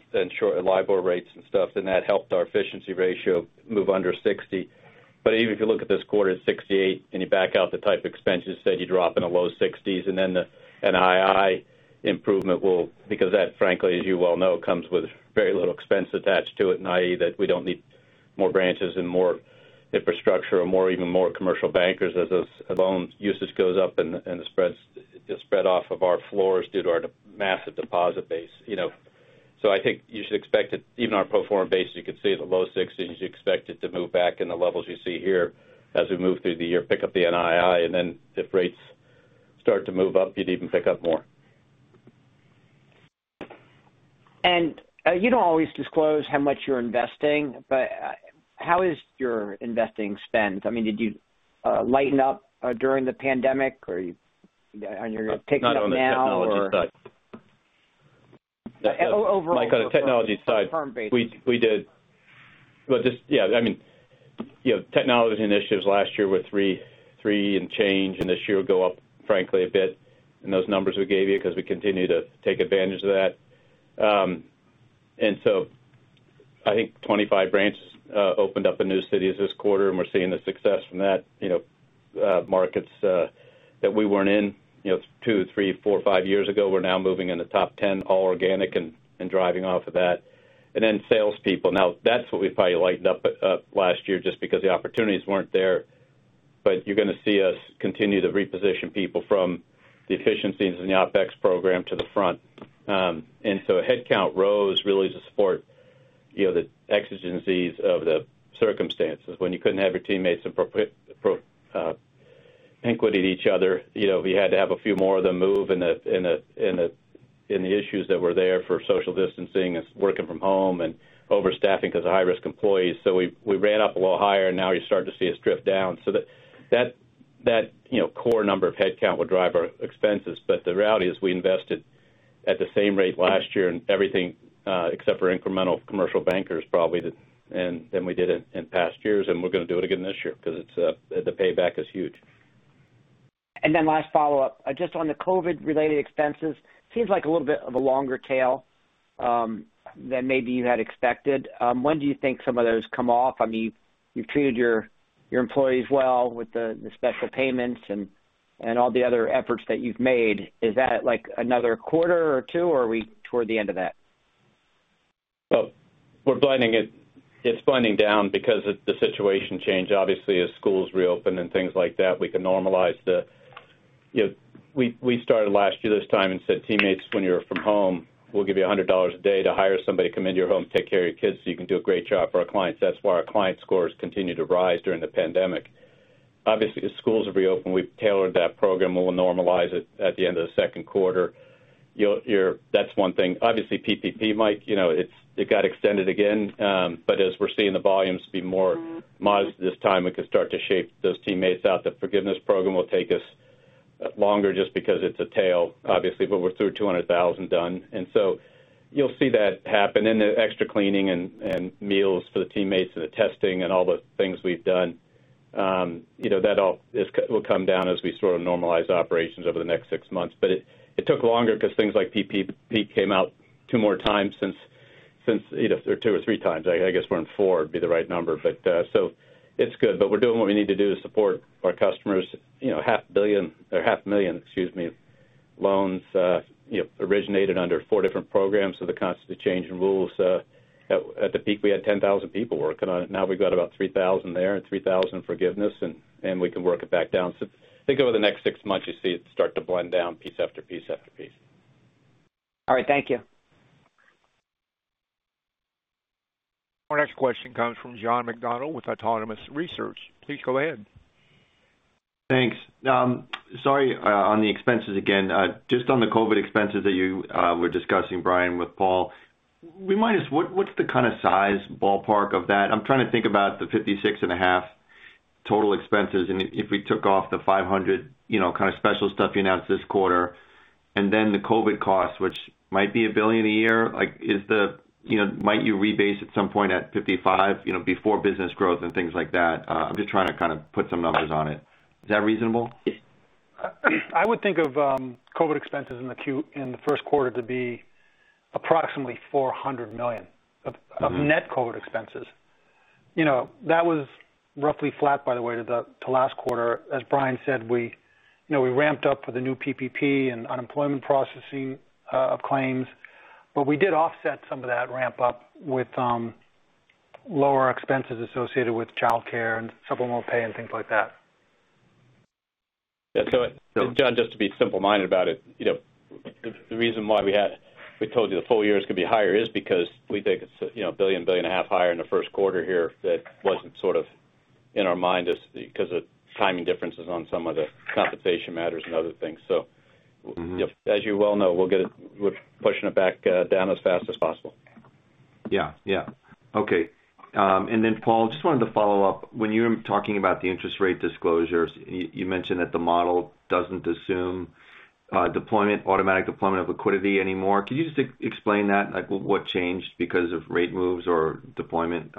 LIBOR rates and stuff, and that helped our efficiency ratio move under 60%. Even if you look at this quarter at 68% and you back out the type expenses, say you drop in the low 60s% and then NII improvement will, because that, frankly, as you well know, comes with very little expense attached to it, and NII that we don't need more branches and more infrastructure or even more commercial bankers as loan usage goes up and the spread off of our floors due to our massive deposit base. I think you should expect that even our pro forma base, you could see the low 60s%. You expect it to move back in the levels you see here as we move through the year, pick up the NII, and then if rates start to move up, you'd even pick up more. You don't always disclose how much you're investing, but how is your investing spend? Did you lighten up during the pandemic, or are you picking up now? Not on the technology side. Overall. Mike. Firm basis? We did. Technology initiatives last year were three and change, and this year will go up, frankly, a bit in those numbers we gave you because we continue to take advantage of that. I think 25 branches opened up in new cities this quarter, and we're seeing the success from that. Markets that we weren't in two, three, four, five years ago, we're now moving in the top 10, all organic and driving off of that. Salespeople. Now, that's what we probably lightened up last year just because the opportunities weren't there. You're going to see us continue to reposition people from the efficiencies in the OpEx program to the front. Headcount rose really to support the exigencies of the circumstances. When you couldn't have your teammates in proximity to each other we had to have a few more of them move in the issues that were there for social distancing, as working from home and overstaffing because of high-risk employees. We ran up a little higher, and now you're starting to see us drift down. That core number of headcount will drive our expenses. The reality is we invested at the same rate last year in everything except for incremental commercial bankers, probably than we did in past years. We're going to do it again this year because the payback is huge. Last follow-up. Just on the COVID-related expenses, seems like a little bit of a longer tail than maybe you had expected. When do you think some of those come off? You've treated your employees well with the special payments and all the other efforts that you've made. Is that another quarter or two, or are we toward the end of that? It's blending down because of the situation change. Obviously, as schools reopen and things like that, we can normalize. We started last year this time and said, teammates, when you're from home, we'll give you $100 a day to hire somebody to come into your home to take care of your kids so you can do a great job for our clients. That's why our client scores continued to rise during the pandemic. Obviously, as schools reopen, we've tailored that program, we'll normalize it at the end of the second quarter. Obviously, PPP, Mike, it got extended again. As we're seeing the volumes be more modest this time, we can start to shape those teammates out. The forgiveness program will take us longer just because it's a tail, obviously. We're through 200,000 done. You'll see that happen. The extra cleaning and meals for the teammates and the testing and all the things we've done. That all will come down as we sort of normalize operations over the next six months. It took longer because things like PPP came out two more times or two or three times. I guess we're on four, would be the right number. It's good. We're doing what we need to do to support our customers. 500,000 loans originated under four different programs, so they're constantly changing rules. At the peak, we had 10,000 people working on it. Now we've got about 3,000 there and 3,000 forgiveness, and we can work it back down. I think over the next six months, you see it start to blend down piece after piece after piece. All right. Thank you. Our next question comes from John McDonald with Autonomous Research, please go ahead. Thanks. Sorry, on the expenses again. Just on the COVID expenses that you were discussing, Brian, with Paul. Remind us, what's the kind of size ballpark of that? I'm trying to think about the 56.5% Total expenses. If we took off the $500 million kind of special stuff you announced this quarter and then the COVID costs, which might be $1 billion a year. Might you rebase at some point at 55% before business growth and things like that? I'm just trying to kind of put some numbers on it. Is that reasonable? I would think of COVID expenses in the first quarter to be approximately $400 million of net COVID expenses. That was roughly flat, by the way, to last quarter. As Brian said, we ramped up with the new PPP and unemployment processing of claims. We did offset some of that ramp up with lower expenses associated with childcare and supplemental pay and things like that. John, just to be simple-minded about it. The reason why we told you the full year is going to be higher is because we think it's $1 billion-$1.5 billion in the first quarter here that wasn't sort of in our mind because of timing differences on some of the compensation matters and other things. As you well know, we're pushing it back down as fast as possible. Yeah. Okay. Paul, just wanted to follow up. When you're talking about the interest rate disclosures, you mentioned that the model doesn't assume automatic deployment of liquidity anymore. Could you just explain that? Like what changed because of rate moves or deployment?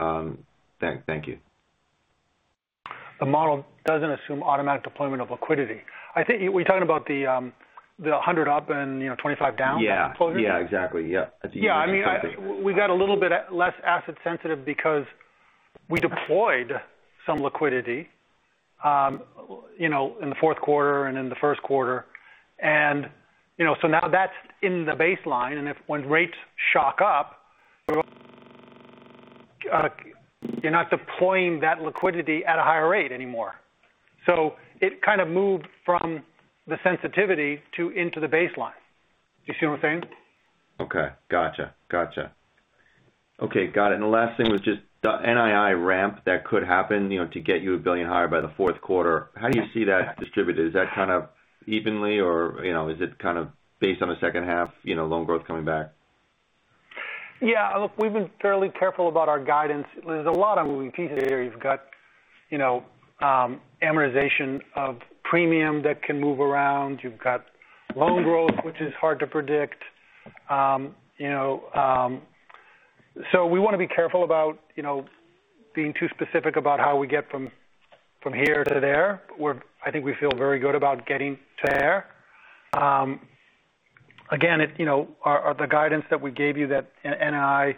Thank you. The model doesn't assume automatic deployment of liquidity. I think we're talking about the 100 up and 25 down deployment. Yeah. Exactly. Yeah. We got a little bit less asset sensitive because we deployed some liquidity in the fourth quarter and in the first quarter. Now that's in the baseline, and if when rates shock up, you're not deploying that liquidity at a higher rate anymore. It kind of moved from the sensitivity into the baseline. Do you see what I'm saying? Okay, got you. Okay, got it. The last thing was just the NII ramp that could happen to get you $1 billion higher by the fourth quarter. How do you see that distributed? Is that kind of evenly or is it kind of based on the second half loan growth coming back? Yeah, look, we've been fairly careful about our guidance. There's a lot of moving pieces here. You've got amortization of premium that can move around. You've got loan growth, which is hard to predict. We want to be careful about being too specific about how we get from here to there. I think we feel very good about getting to there. Again, the guidance that we gave you that NII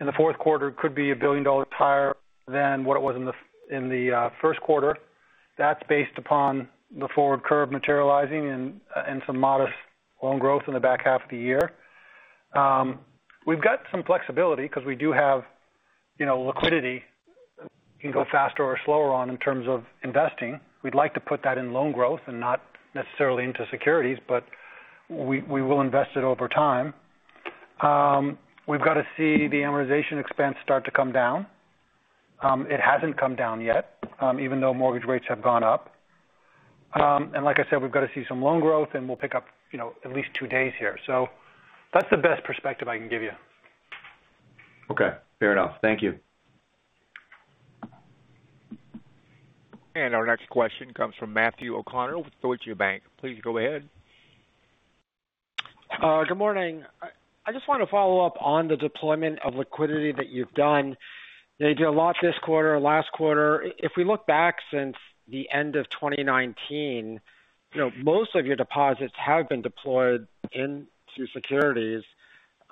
in the fourth quarter could be $1 billion higher than what it was in the first quarter. That's based upon the forward curve materializing and some modest loan growth in the back half of the year. We've got some flexibility because we do have liquidity we can go faster or slower on in terms of investing. We'd like to put that in loan growth and not necessarily into securities, we will invest it over time. We've got to see the amortization expense start to come down. It hasn't come down yet even though mortgage rates have gone up. Like I said, we've got to see some loan growth and we'll pick up at least two days here. That's the best perspective I can give you. Okay, fair enough. Thank you. Our next question comes from Matthew O'Connor with Deutsche Bank, please go ahead. Good morning? I just want to follow up on the deployment of liquidity that you've done. You did a lot this quarter, last quarter. If we look back since the end of 2019, most of your deposits have been deployed into securities.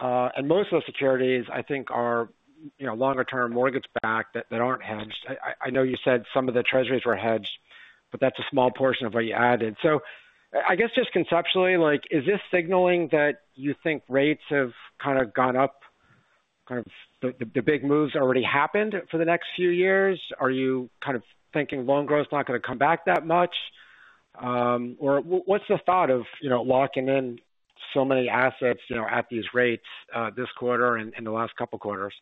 Most of those securities, I think are longer-term mortgage-backed that aren't hedged. I know you said some of the treasuries were hedged. That's a small portion of what you added. I guess just conceptually, is this signaling that you think rates have kind of gone up, kind of the big moves already happened for the next few years? Are you kind of thinking loan growth is not going to come back that much? What's the thought of locking in so many assets at these rates this quarter and the last couple of quarters?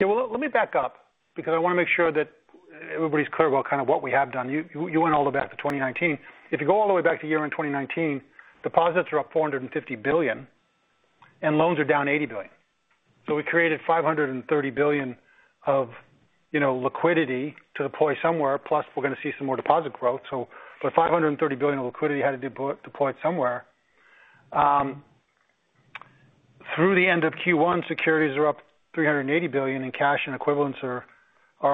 Yeah. Well, let me back up because I want to make sure that everybody's clear about kind of what we have done. You went all the way back to 2019. If you go all the way back to year-end 2019, deposits are up $450 billion and loans are down $80 billion. We created $530 billion of liquidity to deploy somewhere, plus we're going to see some more deposit growth. The $530 billion of liquidity had to deploy somewhere. Through the end of Q1, securities are up $380 billion, and cash and equivalents are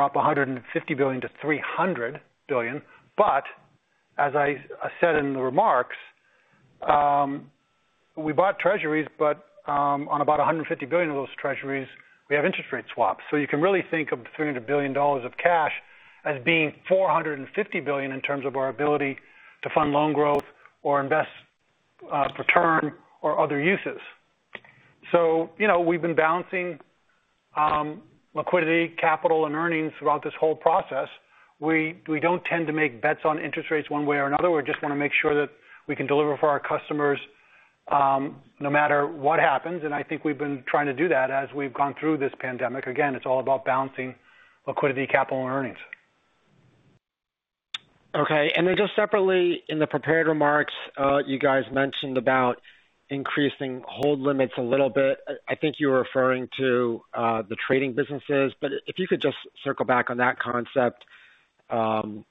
up $150 billion-$300 billion. As I said in the remarks, we bought treasuries, but on about $150 billion of those treasuries, we have interest rate swaps. You can really think of $300 billion of cash as being $450 billion in terms of our ability to fund loan growth or invest for term or other uses. We've been balancing liquidity, capital, and earnings throughout this whole process. We don't tend to make bets on interest rates one way or another. We just want to make sure that we can deliver for our customers no matter what happens. I think we've been trying to do that as we've gone through this pandemic. Again, it's all about balancing liquidity, capital, and earnings. Okay. Then just separately in the prepared remarks you guys mentioned about increasing hold limits a little bit. I think you were referring to the trading businesses. If you could just circle back on that concept and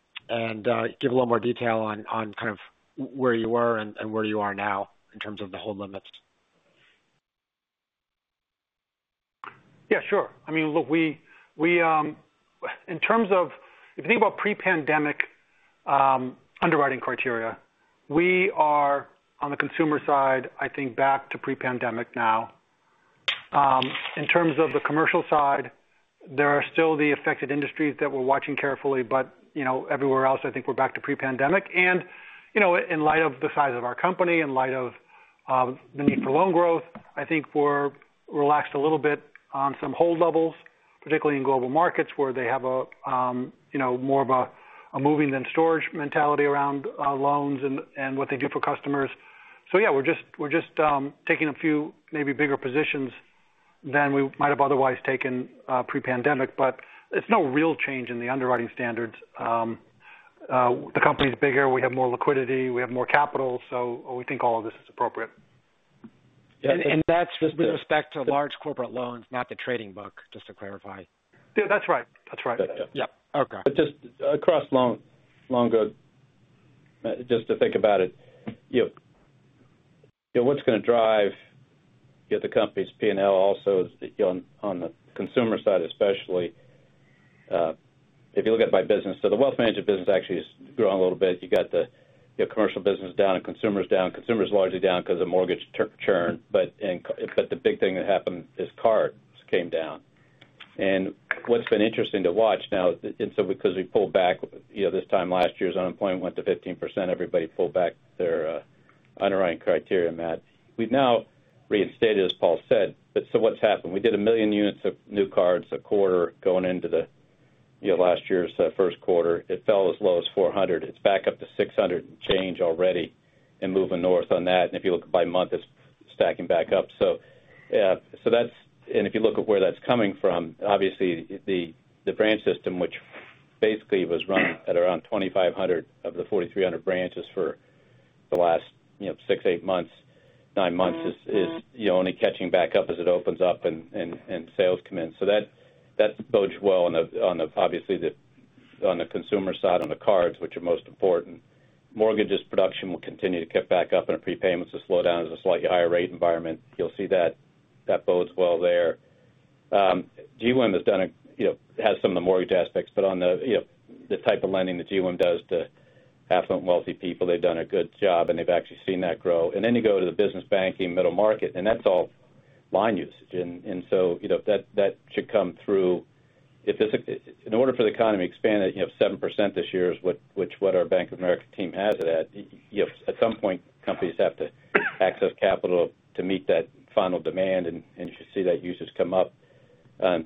give a little more detail on kind of where you were and where you are now in terms of the hold limits. Yeah, sure. If you think about pre-pandemic underwriting criteria, we are on the consumer side, I think back to pre-pandemic now. In terms of the commercial side, there are still the affected industries that we're watching carefully. Everywhere else, I think we're back to pre-pandemic. In light of the size of our company, in light of the need for loan growth, I think we're relaxed a little bit on some hold levels, particularly in Global Markets where they have more of a moving than storage mentality around loans and what they do for customers. Yeah, we're just taking a few maybe bigger positions than we might have otherwise taken pre-pandemic, but it's no real change in the underwriting standards. The company's bigger. We have more liquidity. We have more capital. We think all of this is appropriate. That's with respect to large corporate loans, not the trading book, just to clarify. Yeah, that's right. Yeah. Okay. Just across loan growth, just to think about it, what's going to drive the company's P&L also is on the consumer side especially if you look at by business. The Wealth Management business actually has grown a little bit. You got the Commercial business down and Consumers down. Consumers largely down because of mortgage churn. The big thing that happened is cards came down. What's been interesting to watch now because we pulled back this time last year as unemployment went to 15%, everybody pulled back their underwriting criteria, Matt. We've now reinstated, as Paul said. What's happened? We did 1 million units of new cards a quarter going into the last year's first quarter. It fell as low as 400 cards. It's back up to 600 and change already and moving north on that. If you look by month, it's stacking back up. If you look at where that's coming from, obviously the branch system, which basically was run at around 2,500 of the 4,300 branches for the last six, eight months, nine months is only catching back up as it opens up and sales come in. That bodes well on obviously on the consumer side, on the cards, which are most important. Mortgages production will continue to get back up and our prepayments will slow down as a slightly higher rate environment. You'll see that bodes well there. GWIM has some of the mortgage aspects, but on the type of lending that GWIM does to affluent wealthy people, they've done a good job, and they've actually seen that grow. Then you go to the business banking middle market, and that's all line usage. That should come through. In order for the economy to expand at 7% this year, which what our Bank of America team has it at some point, companies have to access capital to meet that final demand, and you should see that usage come up.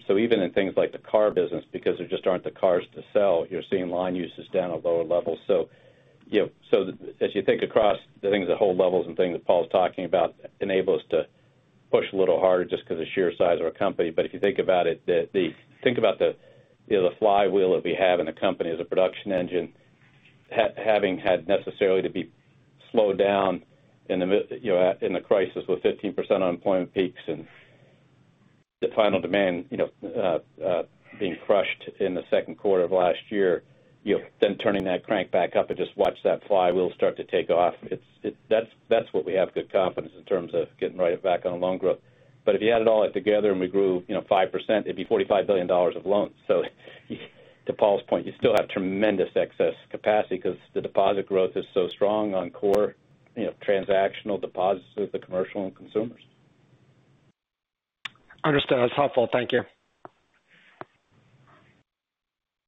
Even in things like the car business because there just aren't the cars to sell, you're seeing line usage down at lower levels. As you think across the things at hold levels and things that Paul's talking about enable us to push a little harder just because of the sheer size of our company. If you think about the flywheel that we have in the company as a production engine, having had necessarily to be slowed down in the crisis with 15% unemployment peaks and the final demand being crushed in the second quarter of last year, then turning that crank back up and just watch that flywheel start to take off. That's what we have good confidence in terms of getting right back on loan growth. If you added all that together and we grew 5%, it'd be $45 billion of loans. To Paul's point, you still have tremendous excess capacity because the deposit growth is so strong on core transactional deposits with the commercial and consumers. Understood. That's helpful. Thank you.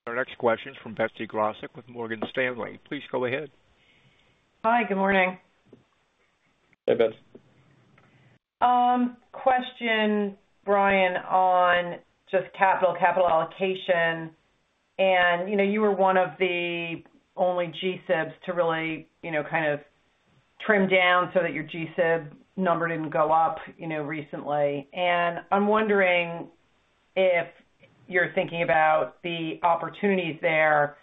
Our next question is from Betsy Graseck with Morgan Stanley, please go ahead. Hi, good morning? Hey, Betsy. Question, Brian, on just capital allocation. You were one of the only GSIBs to really kind of trim down so that your GSIB number didn't go up recently. I'm wondering if you're thinking about the opportunities there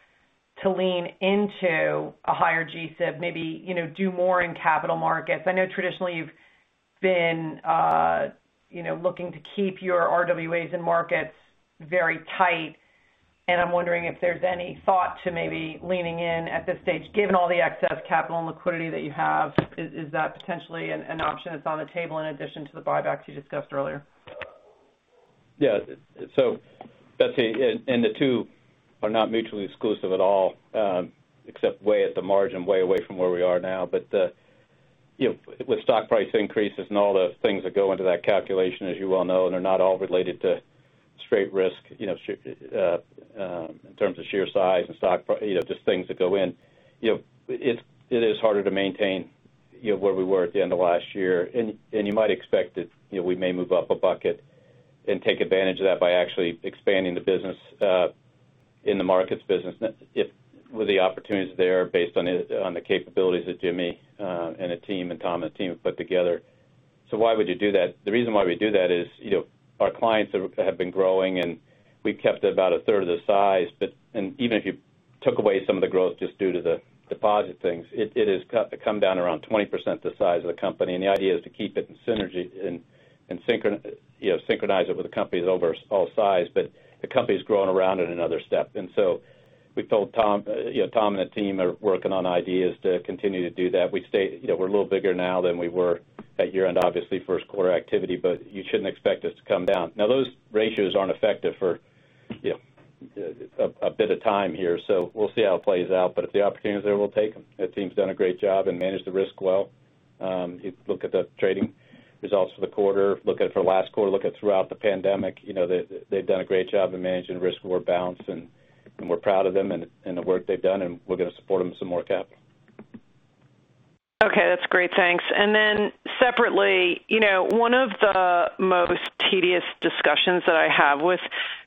to lean into a higher GSIB, maybe do more in capital markets. I know traditionally you've been looking to keep your RWAs in markets very tight, and I'm wondering if there's any thought to maybe leaning in at this stage, given all the excess capital and liquidity that you have. Is that potentially an option that's on the table in addition to the buybacks you discussed earlier? Yeah. Betsy, the two are not mutually exclusive at all except way at the margin, way away from where we are now. With stock price increases and all the things that go into that calculation, as you well know, and they're not all related to straight risk, in terms of sheer size and stock price, just things that go in. It is harder to maintain where we were at the end of last year. You might expect that we may move up a bucket and take advantage of that by actually expanding the business in the Global Markets business with the opportunities there based on the capabilities that Jimmy and the team, and Tom and the team have put together. Why would you do that? The reason why we do that is our clients have been growing, and we've kept it about a third of the size. Even if you took away some of the growth just due to the deposit things, it has come down around 20% the size of the company. The idea is to keep it in synergy and synchronize it with the company that's over all size, but the company's grown around it another step. We told Tom and the team are working on ideas to continue to do that. We're a little bigger now than we were at year-end, obviously, first quarter activity, but you shouldn't expect us to come down. Those ratios aren't effective for a bit of time here. We'll see how it plays out. If the opportunity is there, we'll take them. That team's done a great job and managed the risk well. If you look at the trading results for the quarter, look at it for last quarter, look at it throughout the pandemic they've done a great job of managing risk. We're balanced, and we're proud of them and the work they've done, and we're going to support them with some more capital. Okay, that's great. Thanks. Separately, one of the most tedious discussions that I have with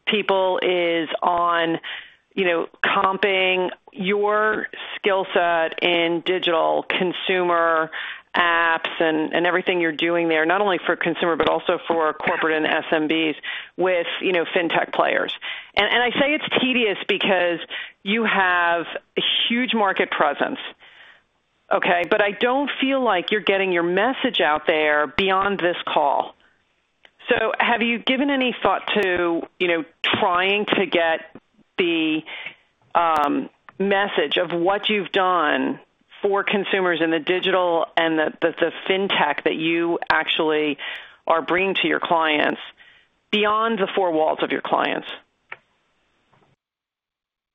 people is on comping your skill set in digital consumer apps and everything you're doing there, not only for consumer, but also for corporate and SMBs with fintech players. I say it's tedious because you have a huge market presence. Okay. I don't feel like you're getting your message out there beyond this call. Have you given any thought to trying to get the message of what you've done for consumers in the digital and the fintech that you actually are bringing to your clients beyond the four walls of your clients?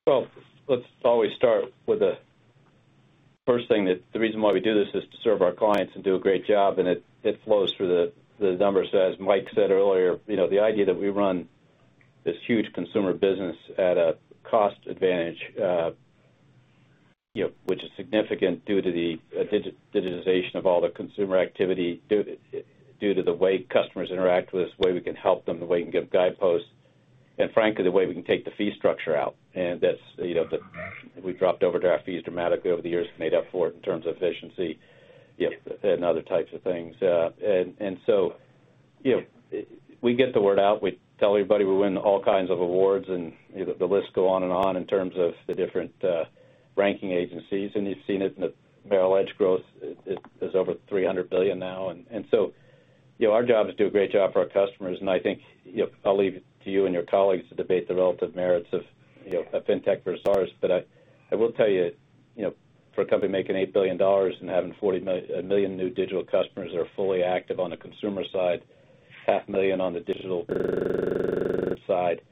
Well, let's always start with the first thing that the reason why we do this is to serve our clients and do a great job, and it flows through the numbers. As Mike said earlier the idea that we run this huge consumer business at a cost advantage which is significant due to the digitization of all the consumer activity, due to the way customers interact with us, the way we can help them, the way we can give guideposts, and frankly, the way we can take the fee structure out. We dropped overdraft fees dramatically over the years and made up for it in terms of efficiency and other types of things. We get the word out. We tell everybody we win all kinds of awards, and the list go on and on in terms of the different ranking agencies. You've seen it in the Merrill Edge growth is over $300 billion now. Our job is to do a great job for our customers. I think I'll leave it to you and your colleagues to debate the relative merits of a fintech versus ours. I will tell you for a company making $8 billion and having 40 million new digital customers that are fully active on the consumer side, half million on the digital side,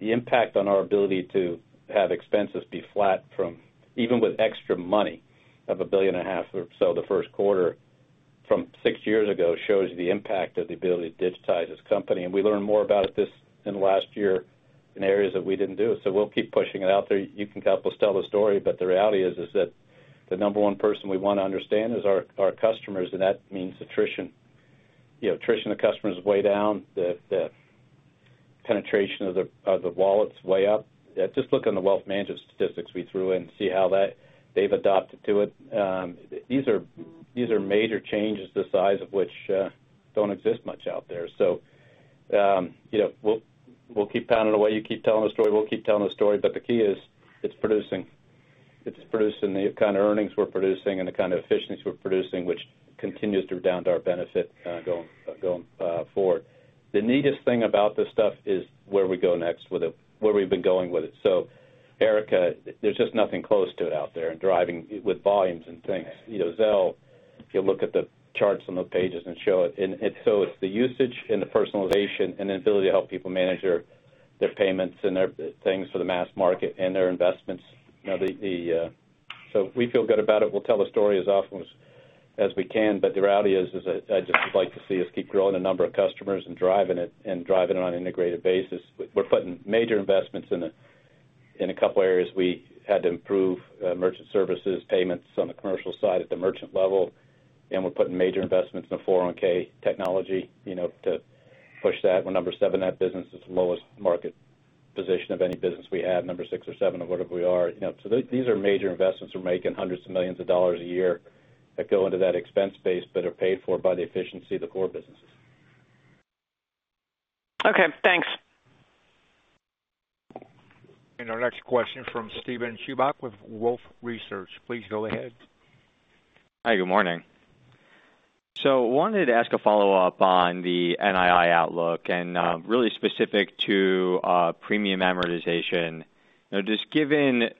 the impact on our ability to have expenses be flat from even with extra money of $1.5 billion or so the first quarter from six years ago shows the impact of the ability to digitize this company. We learned more about this in the last year in areas that we didn't do. We'll keep pushing it out there. You can help us tell the story, the reality is that the number one person we want to understand is our customers, and that means attrition. Attrition of customers is way down. The penetration of the wallets way up. Just look on the wealth management statistics we threw in and see how they've adopted to it. These are major changes the size of which don't exist much out there. We'll keep pounding away. You keep telling the story, we'll keep telling the story. The key is it's producing the kind of earnings we're producing and the kind of efficiency we're producing, which continues to redound to our benefit going forward. The neatest thing about this stuff is where we go next with it, where we've been going with it. Erica, there's just nothing close to it out there and driving with volumes and things. Zelle, if you look at the charts on the pages and show it. It's the usage and the personalization and the ability to help people manage their payments and their things for the mass market and their investments. We feel good about it. We'll tell the story as often as we can. The reality is, I just would like to see us keep growing the number of customers and driving it on an integrated basis. We're putting major investments in a couple areas. We had to improve merchant services payments on the commercial side at the merchant level, and we're putting major investments in the 401(k) technology to push that. We're number seven in that business. It's the lowest market position of any business we have. Number six or seven of whatever we are. These are major investments we're making hundreds of millions of dollars a year that go into that expense base but are paid for by the efficiency of the core businesses. Okay, thanks. Our next question from Steven Chubak with Wolfe Research, please go ahead. Hi, good morning. I wanted to ask a follow-up on the NII outlook and really specific to premium amortization. Just given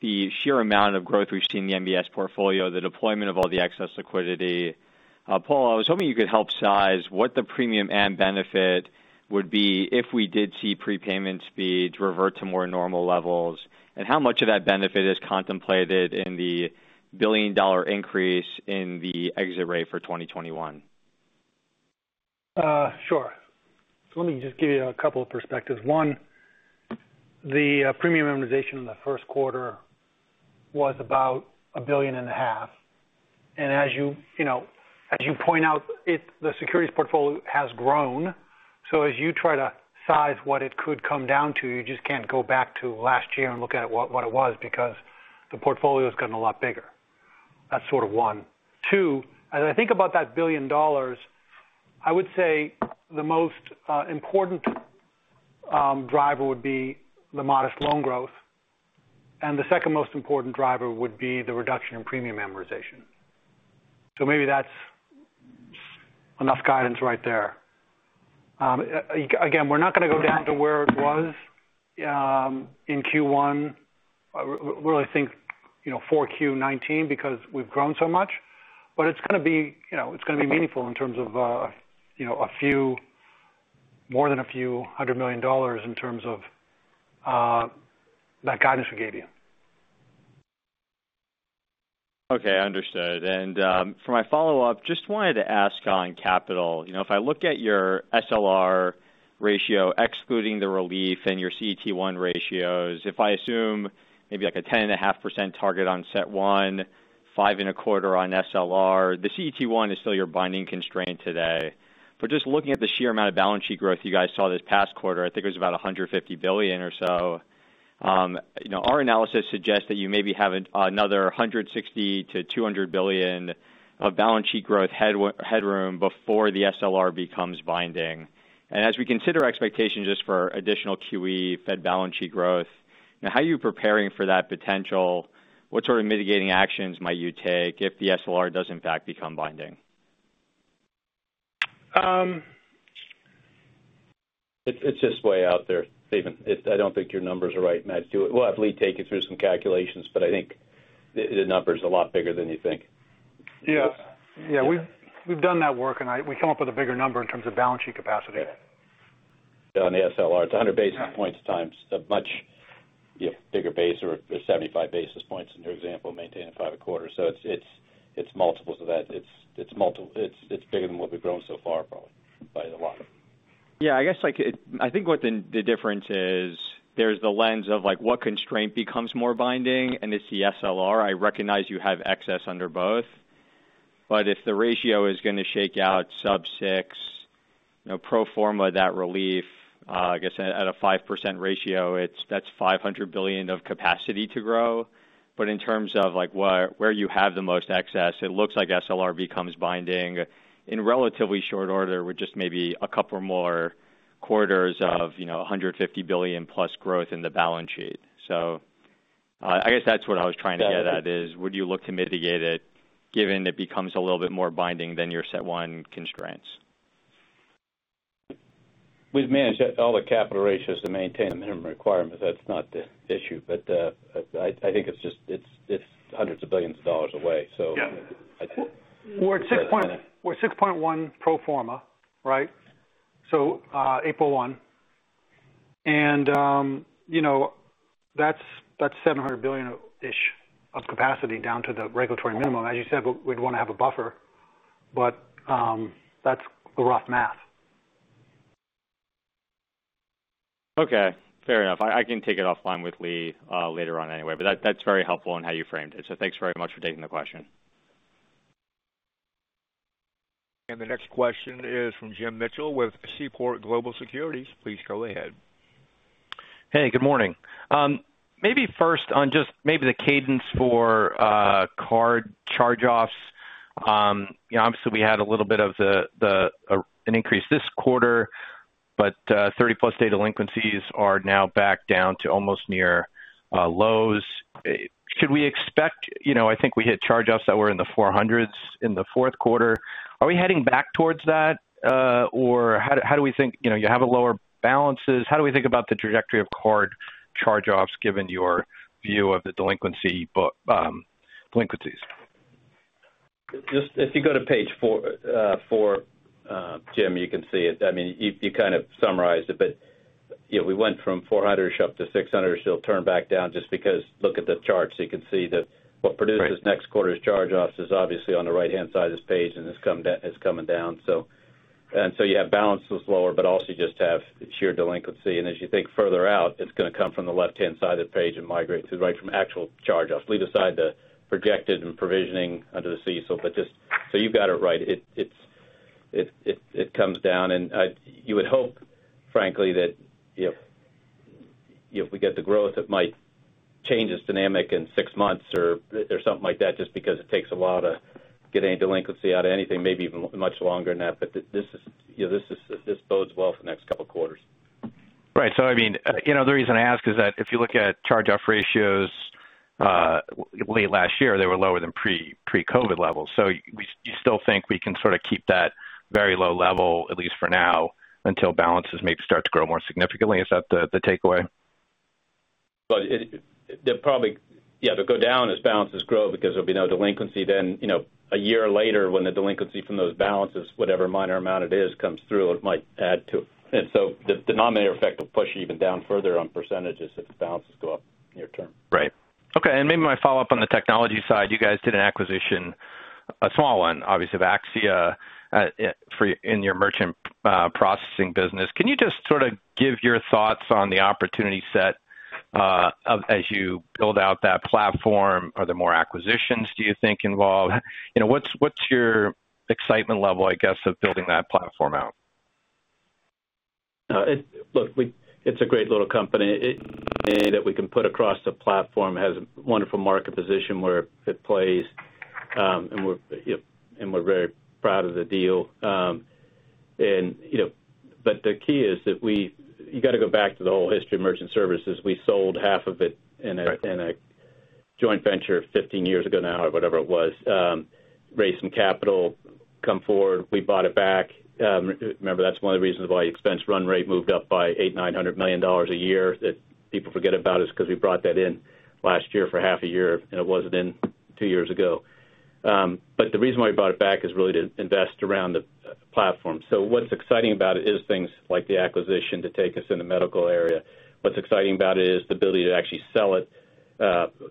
the sheer amount of growth we've seen in the MBS portfolio, the deployment of all the excess liquidity, Paul, I was hoping you could help size what the premium and benefit would be if we did see prepayment speeds revert to more normal levels, and how much of that benefit is contemplated in the billion-dollar increase in the exit rate for 2021? Sure. Let me just give you a couple of perspectives. One, the premium amortization in the first quarter was about $1.5 billion. As you point out, the securities portfolio has grown. As you try to size what it could come down to, you just can't go back to last year and look at what it was because the portfolio's gotten a lot bigger. That's one. Two, as I think about that $1 billion, I would say the most important driver would be the modest loan growth, and the second most important driver would be the reduction in premium amortization. Maybe that's enough guidance right there. Again, we're not going to go down to where it was in Q1, really think 4Q 2019 because we've grown so much. It's going to be meaningful in terms of more than a few hundred million dollars in terms of that guidance we gave you. Okay, understood. For my follow-up, just wanted to ask on capital. If I look at your SLR ratio, excluding the relief and your CET1 ratios, if I assume maybe like a 10.5% target on CET1, five and a quarter on SLR, the CET1 is still your binding constraint today. Just looking at the sheer amount of balance sheet growth you guys saw this past quarter, I think it was about $150 billion or so. Our analysis suggests that you maybe have another $160 billion-$200 billion of balance sheet growth headroom before the SLR becomes binding. As we consider expectations just for additional QE Fed balance sheet growth, how are you preparing for that potential? What sort of mitigating actions might you take if the SLR does in fact become binding? It's just way out there, Steven. I don't think your numbers are right, and we'll have Lee take you through some calculations, but I think the number's a lot bigger than you think. Yeah. We've done that work, and we come up with a bigger number in terms of balance sheet capacity. Yeah. On the SLR, it's 100 basis points times a much bigger base or 75 basis points in your example, maintaining five a quarter. It's multiples of that. It's bigger than what we've grown so far, probably by a lot. I guess I think what the difference is, there's the lens of what constraint becomes more binding, and it's the SLR. I recognize you have excess under both. If the ratio is going to shake out sub 6, pro forma that relief I guess at a 5% ratio, that's $500 billion of capacity to grow. In terms of where you have the most excess, it looks like SLR becomes binding in relatively short order with just maybe a couple more quarters of $150 billion-plus growth in the balance sheet. I guess that's what I was trying to get at is would you look to mitigate it given it becomes a little bit more binding than your CET1 constraints? We've managed all the capital ratios to maintain the minimum requirements. That's not the issue, but I think it's hundreds of billions of dollars away. Yeah. We're at 6.1 pro forma. Right? April 1. That's $700 billion-ish of capacity down to the regulatory minimum. As you said, we'd want to have a buffer, but that's the rough math. Okay, fair enough. I can take it offline with Lee later on anyway, but that's very helpful on how you framed it. Thanks very much for taking the question. The next question is from Jim Mitchell with Seaport Research Partners, please go ahead. Hey, good morning? First on just maybe the cadence for card charge-offs. Obviously we had a little bit of an increase this quarter, but 30-plus day delinquencies are now back down to almost near lows. I think we hit charge-offs that were in the 400s delinquencies in the fourth quarter. Are we heading back towards that? You have a lower balances. How do we think about the trajectory of card charge-offs given your view of the delinquencies? If you go to page four, Jim, you can see it. You kind of summarized it, but we went from 400-ish up to 600-ish. It'll turn back down just because look at the chart, so you can see that what produces next quarter's charge-offs is obviously on the right-hand side of this page, and it's coming down. You have balances lower, but also you just have sheer delinquency. As you think further out, it's going to come from the left-hand side of the page and migrate to the right from actual charge-offs. Leave aside the projected and provisioning under the CECL. You've got it right. It comes down. You would hope, frankly, that if we get the growth, it might change the dynamic in six months or something like that, just because it takes a while to get any delinquency out of anything, maybe even much longer than that. This bodes well for the next couple of quarters. Right. The reason I ask is that if you look at charge-off ratios late last year, they were lower than pre-COVID levels. You still think we can sort of keep that very low level, at least for now, until balances maybe start to grow more significantly. Is that the takeaway? They'll go down as balances grow because there'll be no delinquency then. A year later when the delinquency from those balances, whatever minor amount it is, comes through, it might add to it. The denominator effect will push even down further on percentages if balances go up near term. Right. Okay. Maybe my follow-up on the technology side. You guys did an acquisition, a small one, obviously Axia, in your merchant processing business. Can you just sort of give your thoughts on the opportunity set as you build out that platform? Are there more acquisitions do you think involved? What's your excitement level, I guess, of building that platform out? Look, it's a great little company that we can put across the platform. It has a wonderful market position where it plays. We're very proud of the deal. The key is that you got to go back to the whole history of merchant services. We sold half of it in a joint venture 15 years ago now, or whatever it was. Raised some capital, come forward. We bought it back. Remember, that's one of the reasons why expense run rate moved up by $800 million-$900 million a year that people forget about is because we brought that in last year for half a year, and it wasn't in two years ago. The reason why we brought it back is really to invest around the platform. What's exciting about it is things like the acquisition to take us in the medical area. What's exciting about it is the ability to actually sell it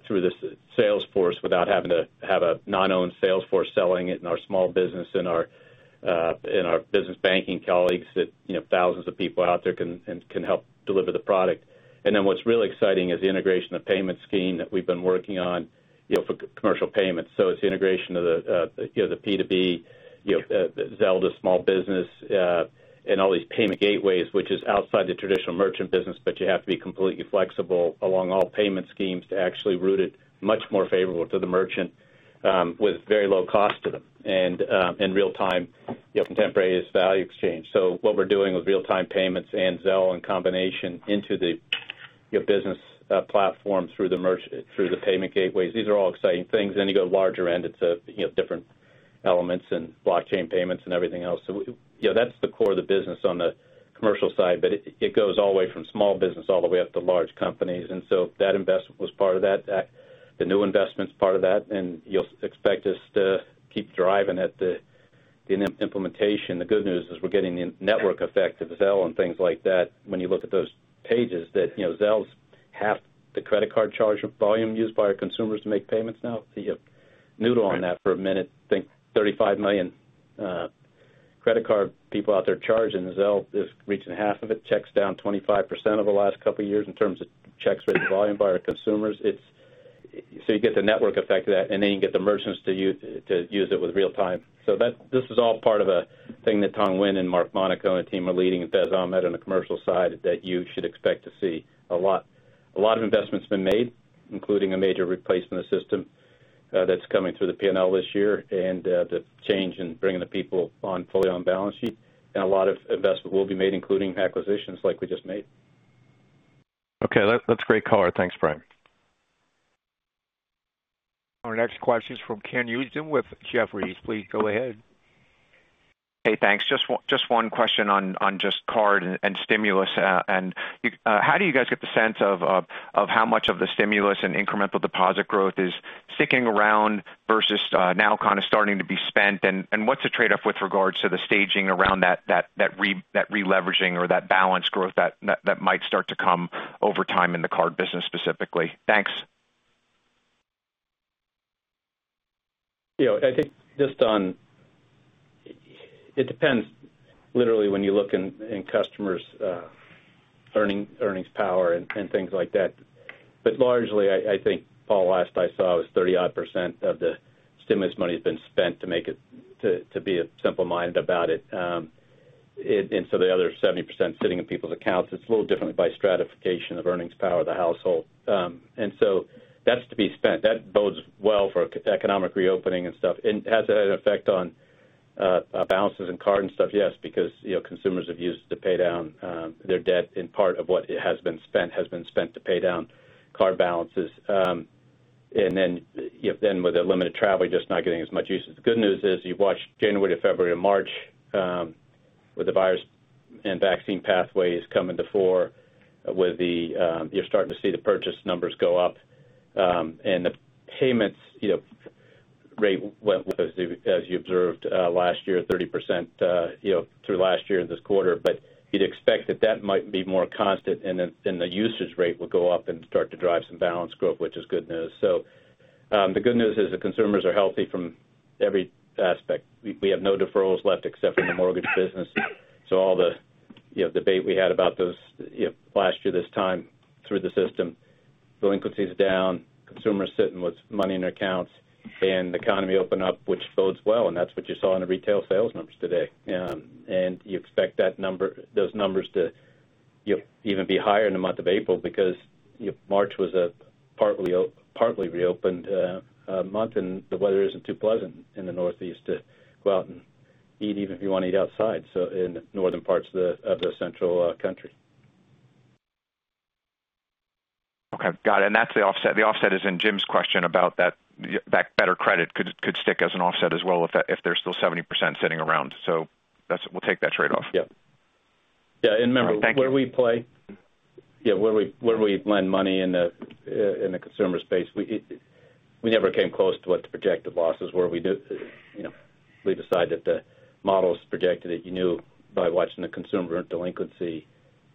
through this sales force without having to have a non-owned sales force selling it in our small business, in our business banking colleagues that thousands of people out there can help deliver the product. What's really exciting is the integration of payment scheme that we've been working on for commercial payments. It's the integration of the P2B, Zelle to small business, and all these payment gateways, which is outside the traditional merchant business, but you have to be completely flexible along all payment schemes to actually route it much more favorable to the merchant with very low cost to them. In real time, contemporaneous value exchange. What we're doing with real-time payments and Zelle in combination into the business platform through the payment gateways. These are all exciting things. You go larger end, it's different elements and blockchain payments and everything else. That's the core of the business on the commercial side, but it goes all the way from small business all the way up to large companies. That investment was part of that. The new investment's part of that. You'll expect us to keep driving at the implementation. The good news is we're getting the network effect of Zelle and things like that. You look at those pages that Zelle's half the credit card charge volume used by our consumers to make payments now. You noodle on that for a minute. Think 35 million credit card people out there charging. Zelle is reaching half of it. Checks down 25% over the last couple of years in terms of checks written volume by our consumers. You get the network effect of that, and then you get the merchants to use it with real time. This is all part of a thing that Thong Nguyen and Mark Monaco and team are leading with [Ezom] on the commercial side that you should expect to see a lot. A lot of investment's been made, including a major replacement of system that's coming through the P&L this year and the change in bringing the people fully on balance sheet. A lot of investment will be made, including acquisitions like we just made. Okay. That's a great color. Thanks, Brian. Our next question is from Kenneth Usdin with Jefferies, please go ahead. Hey, thanks. Just one question on just card and stimulus. How do you guys get the sense of how much of the stimulus and incremental deposit growth is sticking around versus now kind of starting to be spent? What's the trade-off with regards to the staging around that re-leveraging or that balance growth that might start to come over time in the card business specifically? Thanks. It depends literally when you look in customers' earnings power and things like that. Largely, I think, Paul, last I saw was 30-odd% of the stimulus money has been spent to be of simple mind about it. The other 70% sitting in people's accounts. It's a little different by stratification of earnings power of the household. That's to be spent. That bodes well for economic reopening and stuff. Has it had an effect on balances in card and stuff? Yes, because consumers have used to pay down their debt in part of what has been spent to pay down card balances. With the limited travel, you're just not getting as much use. The good news is you watch January, February, and March, with the virus and vaccine pathways coming to fore, you're starting to see the purchase numbers go up. The payments rate went, as you observed last year, 30% through last year and this quarter. You'd expect that that might be more constant and the usage rate will go up and start to drive some balance growth, which is good news. The good news is the consumers are healthy from every aspect. We have no deferrals left except from the mortgage business. All the debate we had about those last year, this time through the system. Delinquency is down, consumers sitting with money in their accounts, and the economy open up, which bodes well, and that's what you saw in the retail sales numbers today. You expect those numbers to even be higher in the month of April because March was a partly reopened month, and the weather isn't too pleasant in the Northeast to go out and eat, even if you want to eat outside in northern parts of the central country. Okay, got it. That's the offset. The offset is in Jim's question about that better credit could stick as an offset as well if there's still 70% sitting around. We'll take that trade-off. Yep. Thank you. Yeah. Remember, where we lend money in the consumer space, we never came close to what the projected losses were. We decided the models projected it. You knew by watching the consumer delinquency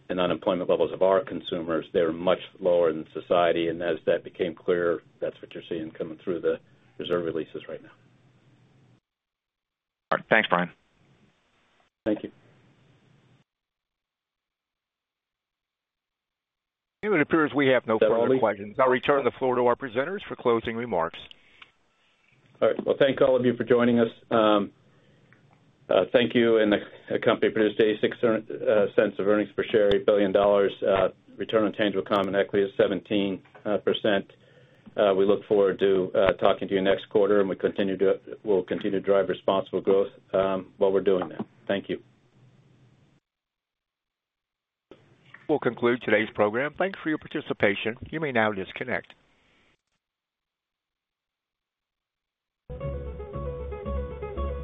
and unemployment levels of our consumers, they were much lower than society. As that became clear, that's what you're seeing coming through the reserve releases right now. All right. Thanks, Brian. Thank you. It appears we have no further questions. I'll return the floor to our presenters for closing remarks. All right. Well, thank all of you for joining us. Thank you. The company produced $0.86 of earnings per share, $8 billion. Return on tangible common equity is 17%. We look forward to talking to you next quarter. We'll continue to drive responsible growth while we're doing that. Thank you. We'll conclude today's program. Thank you for your participation, you may now disconnect.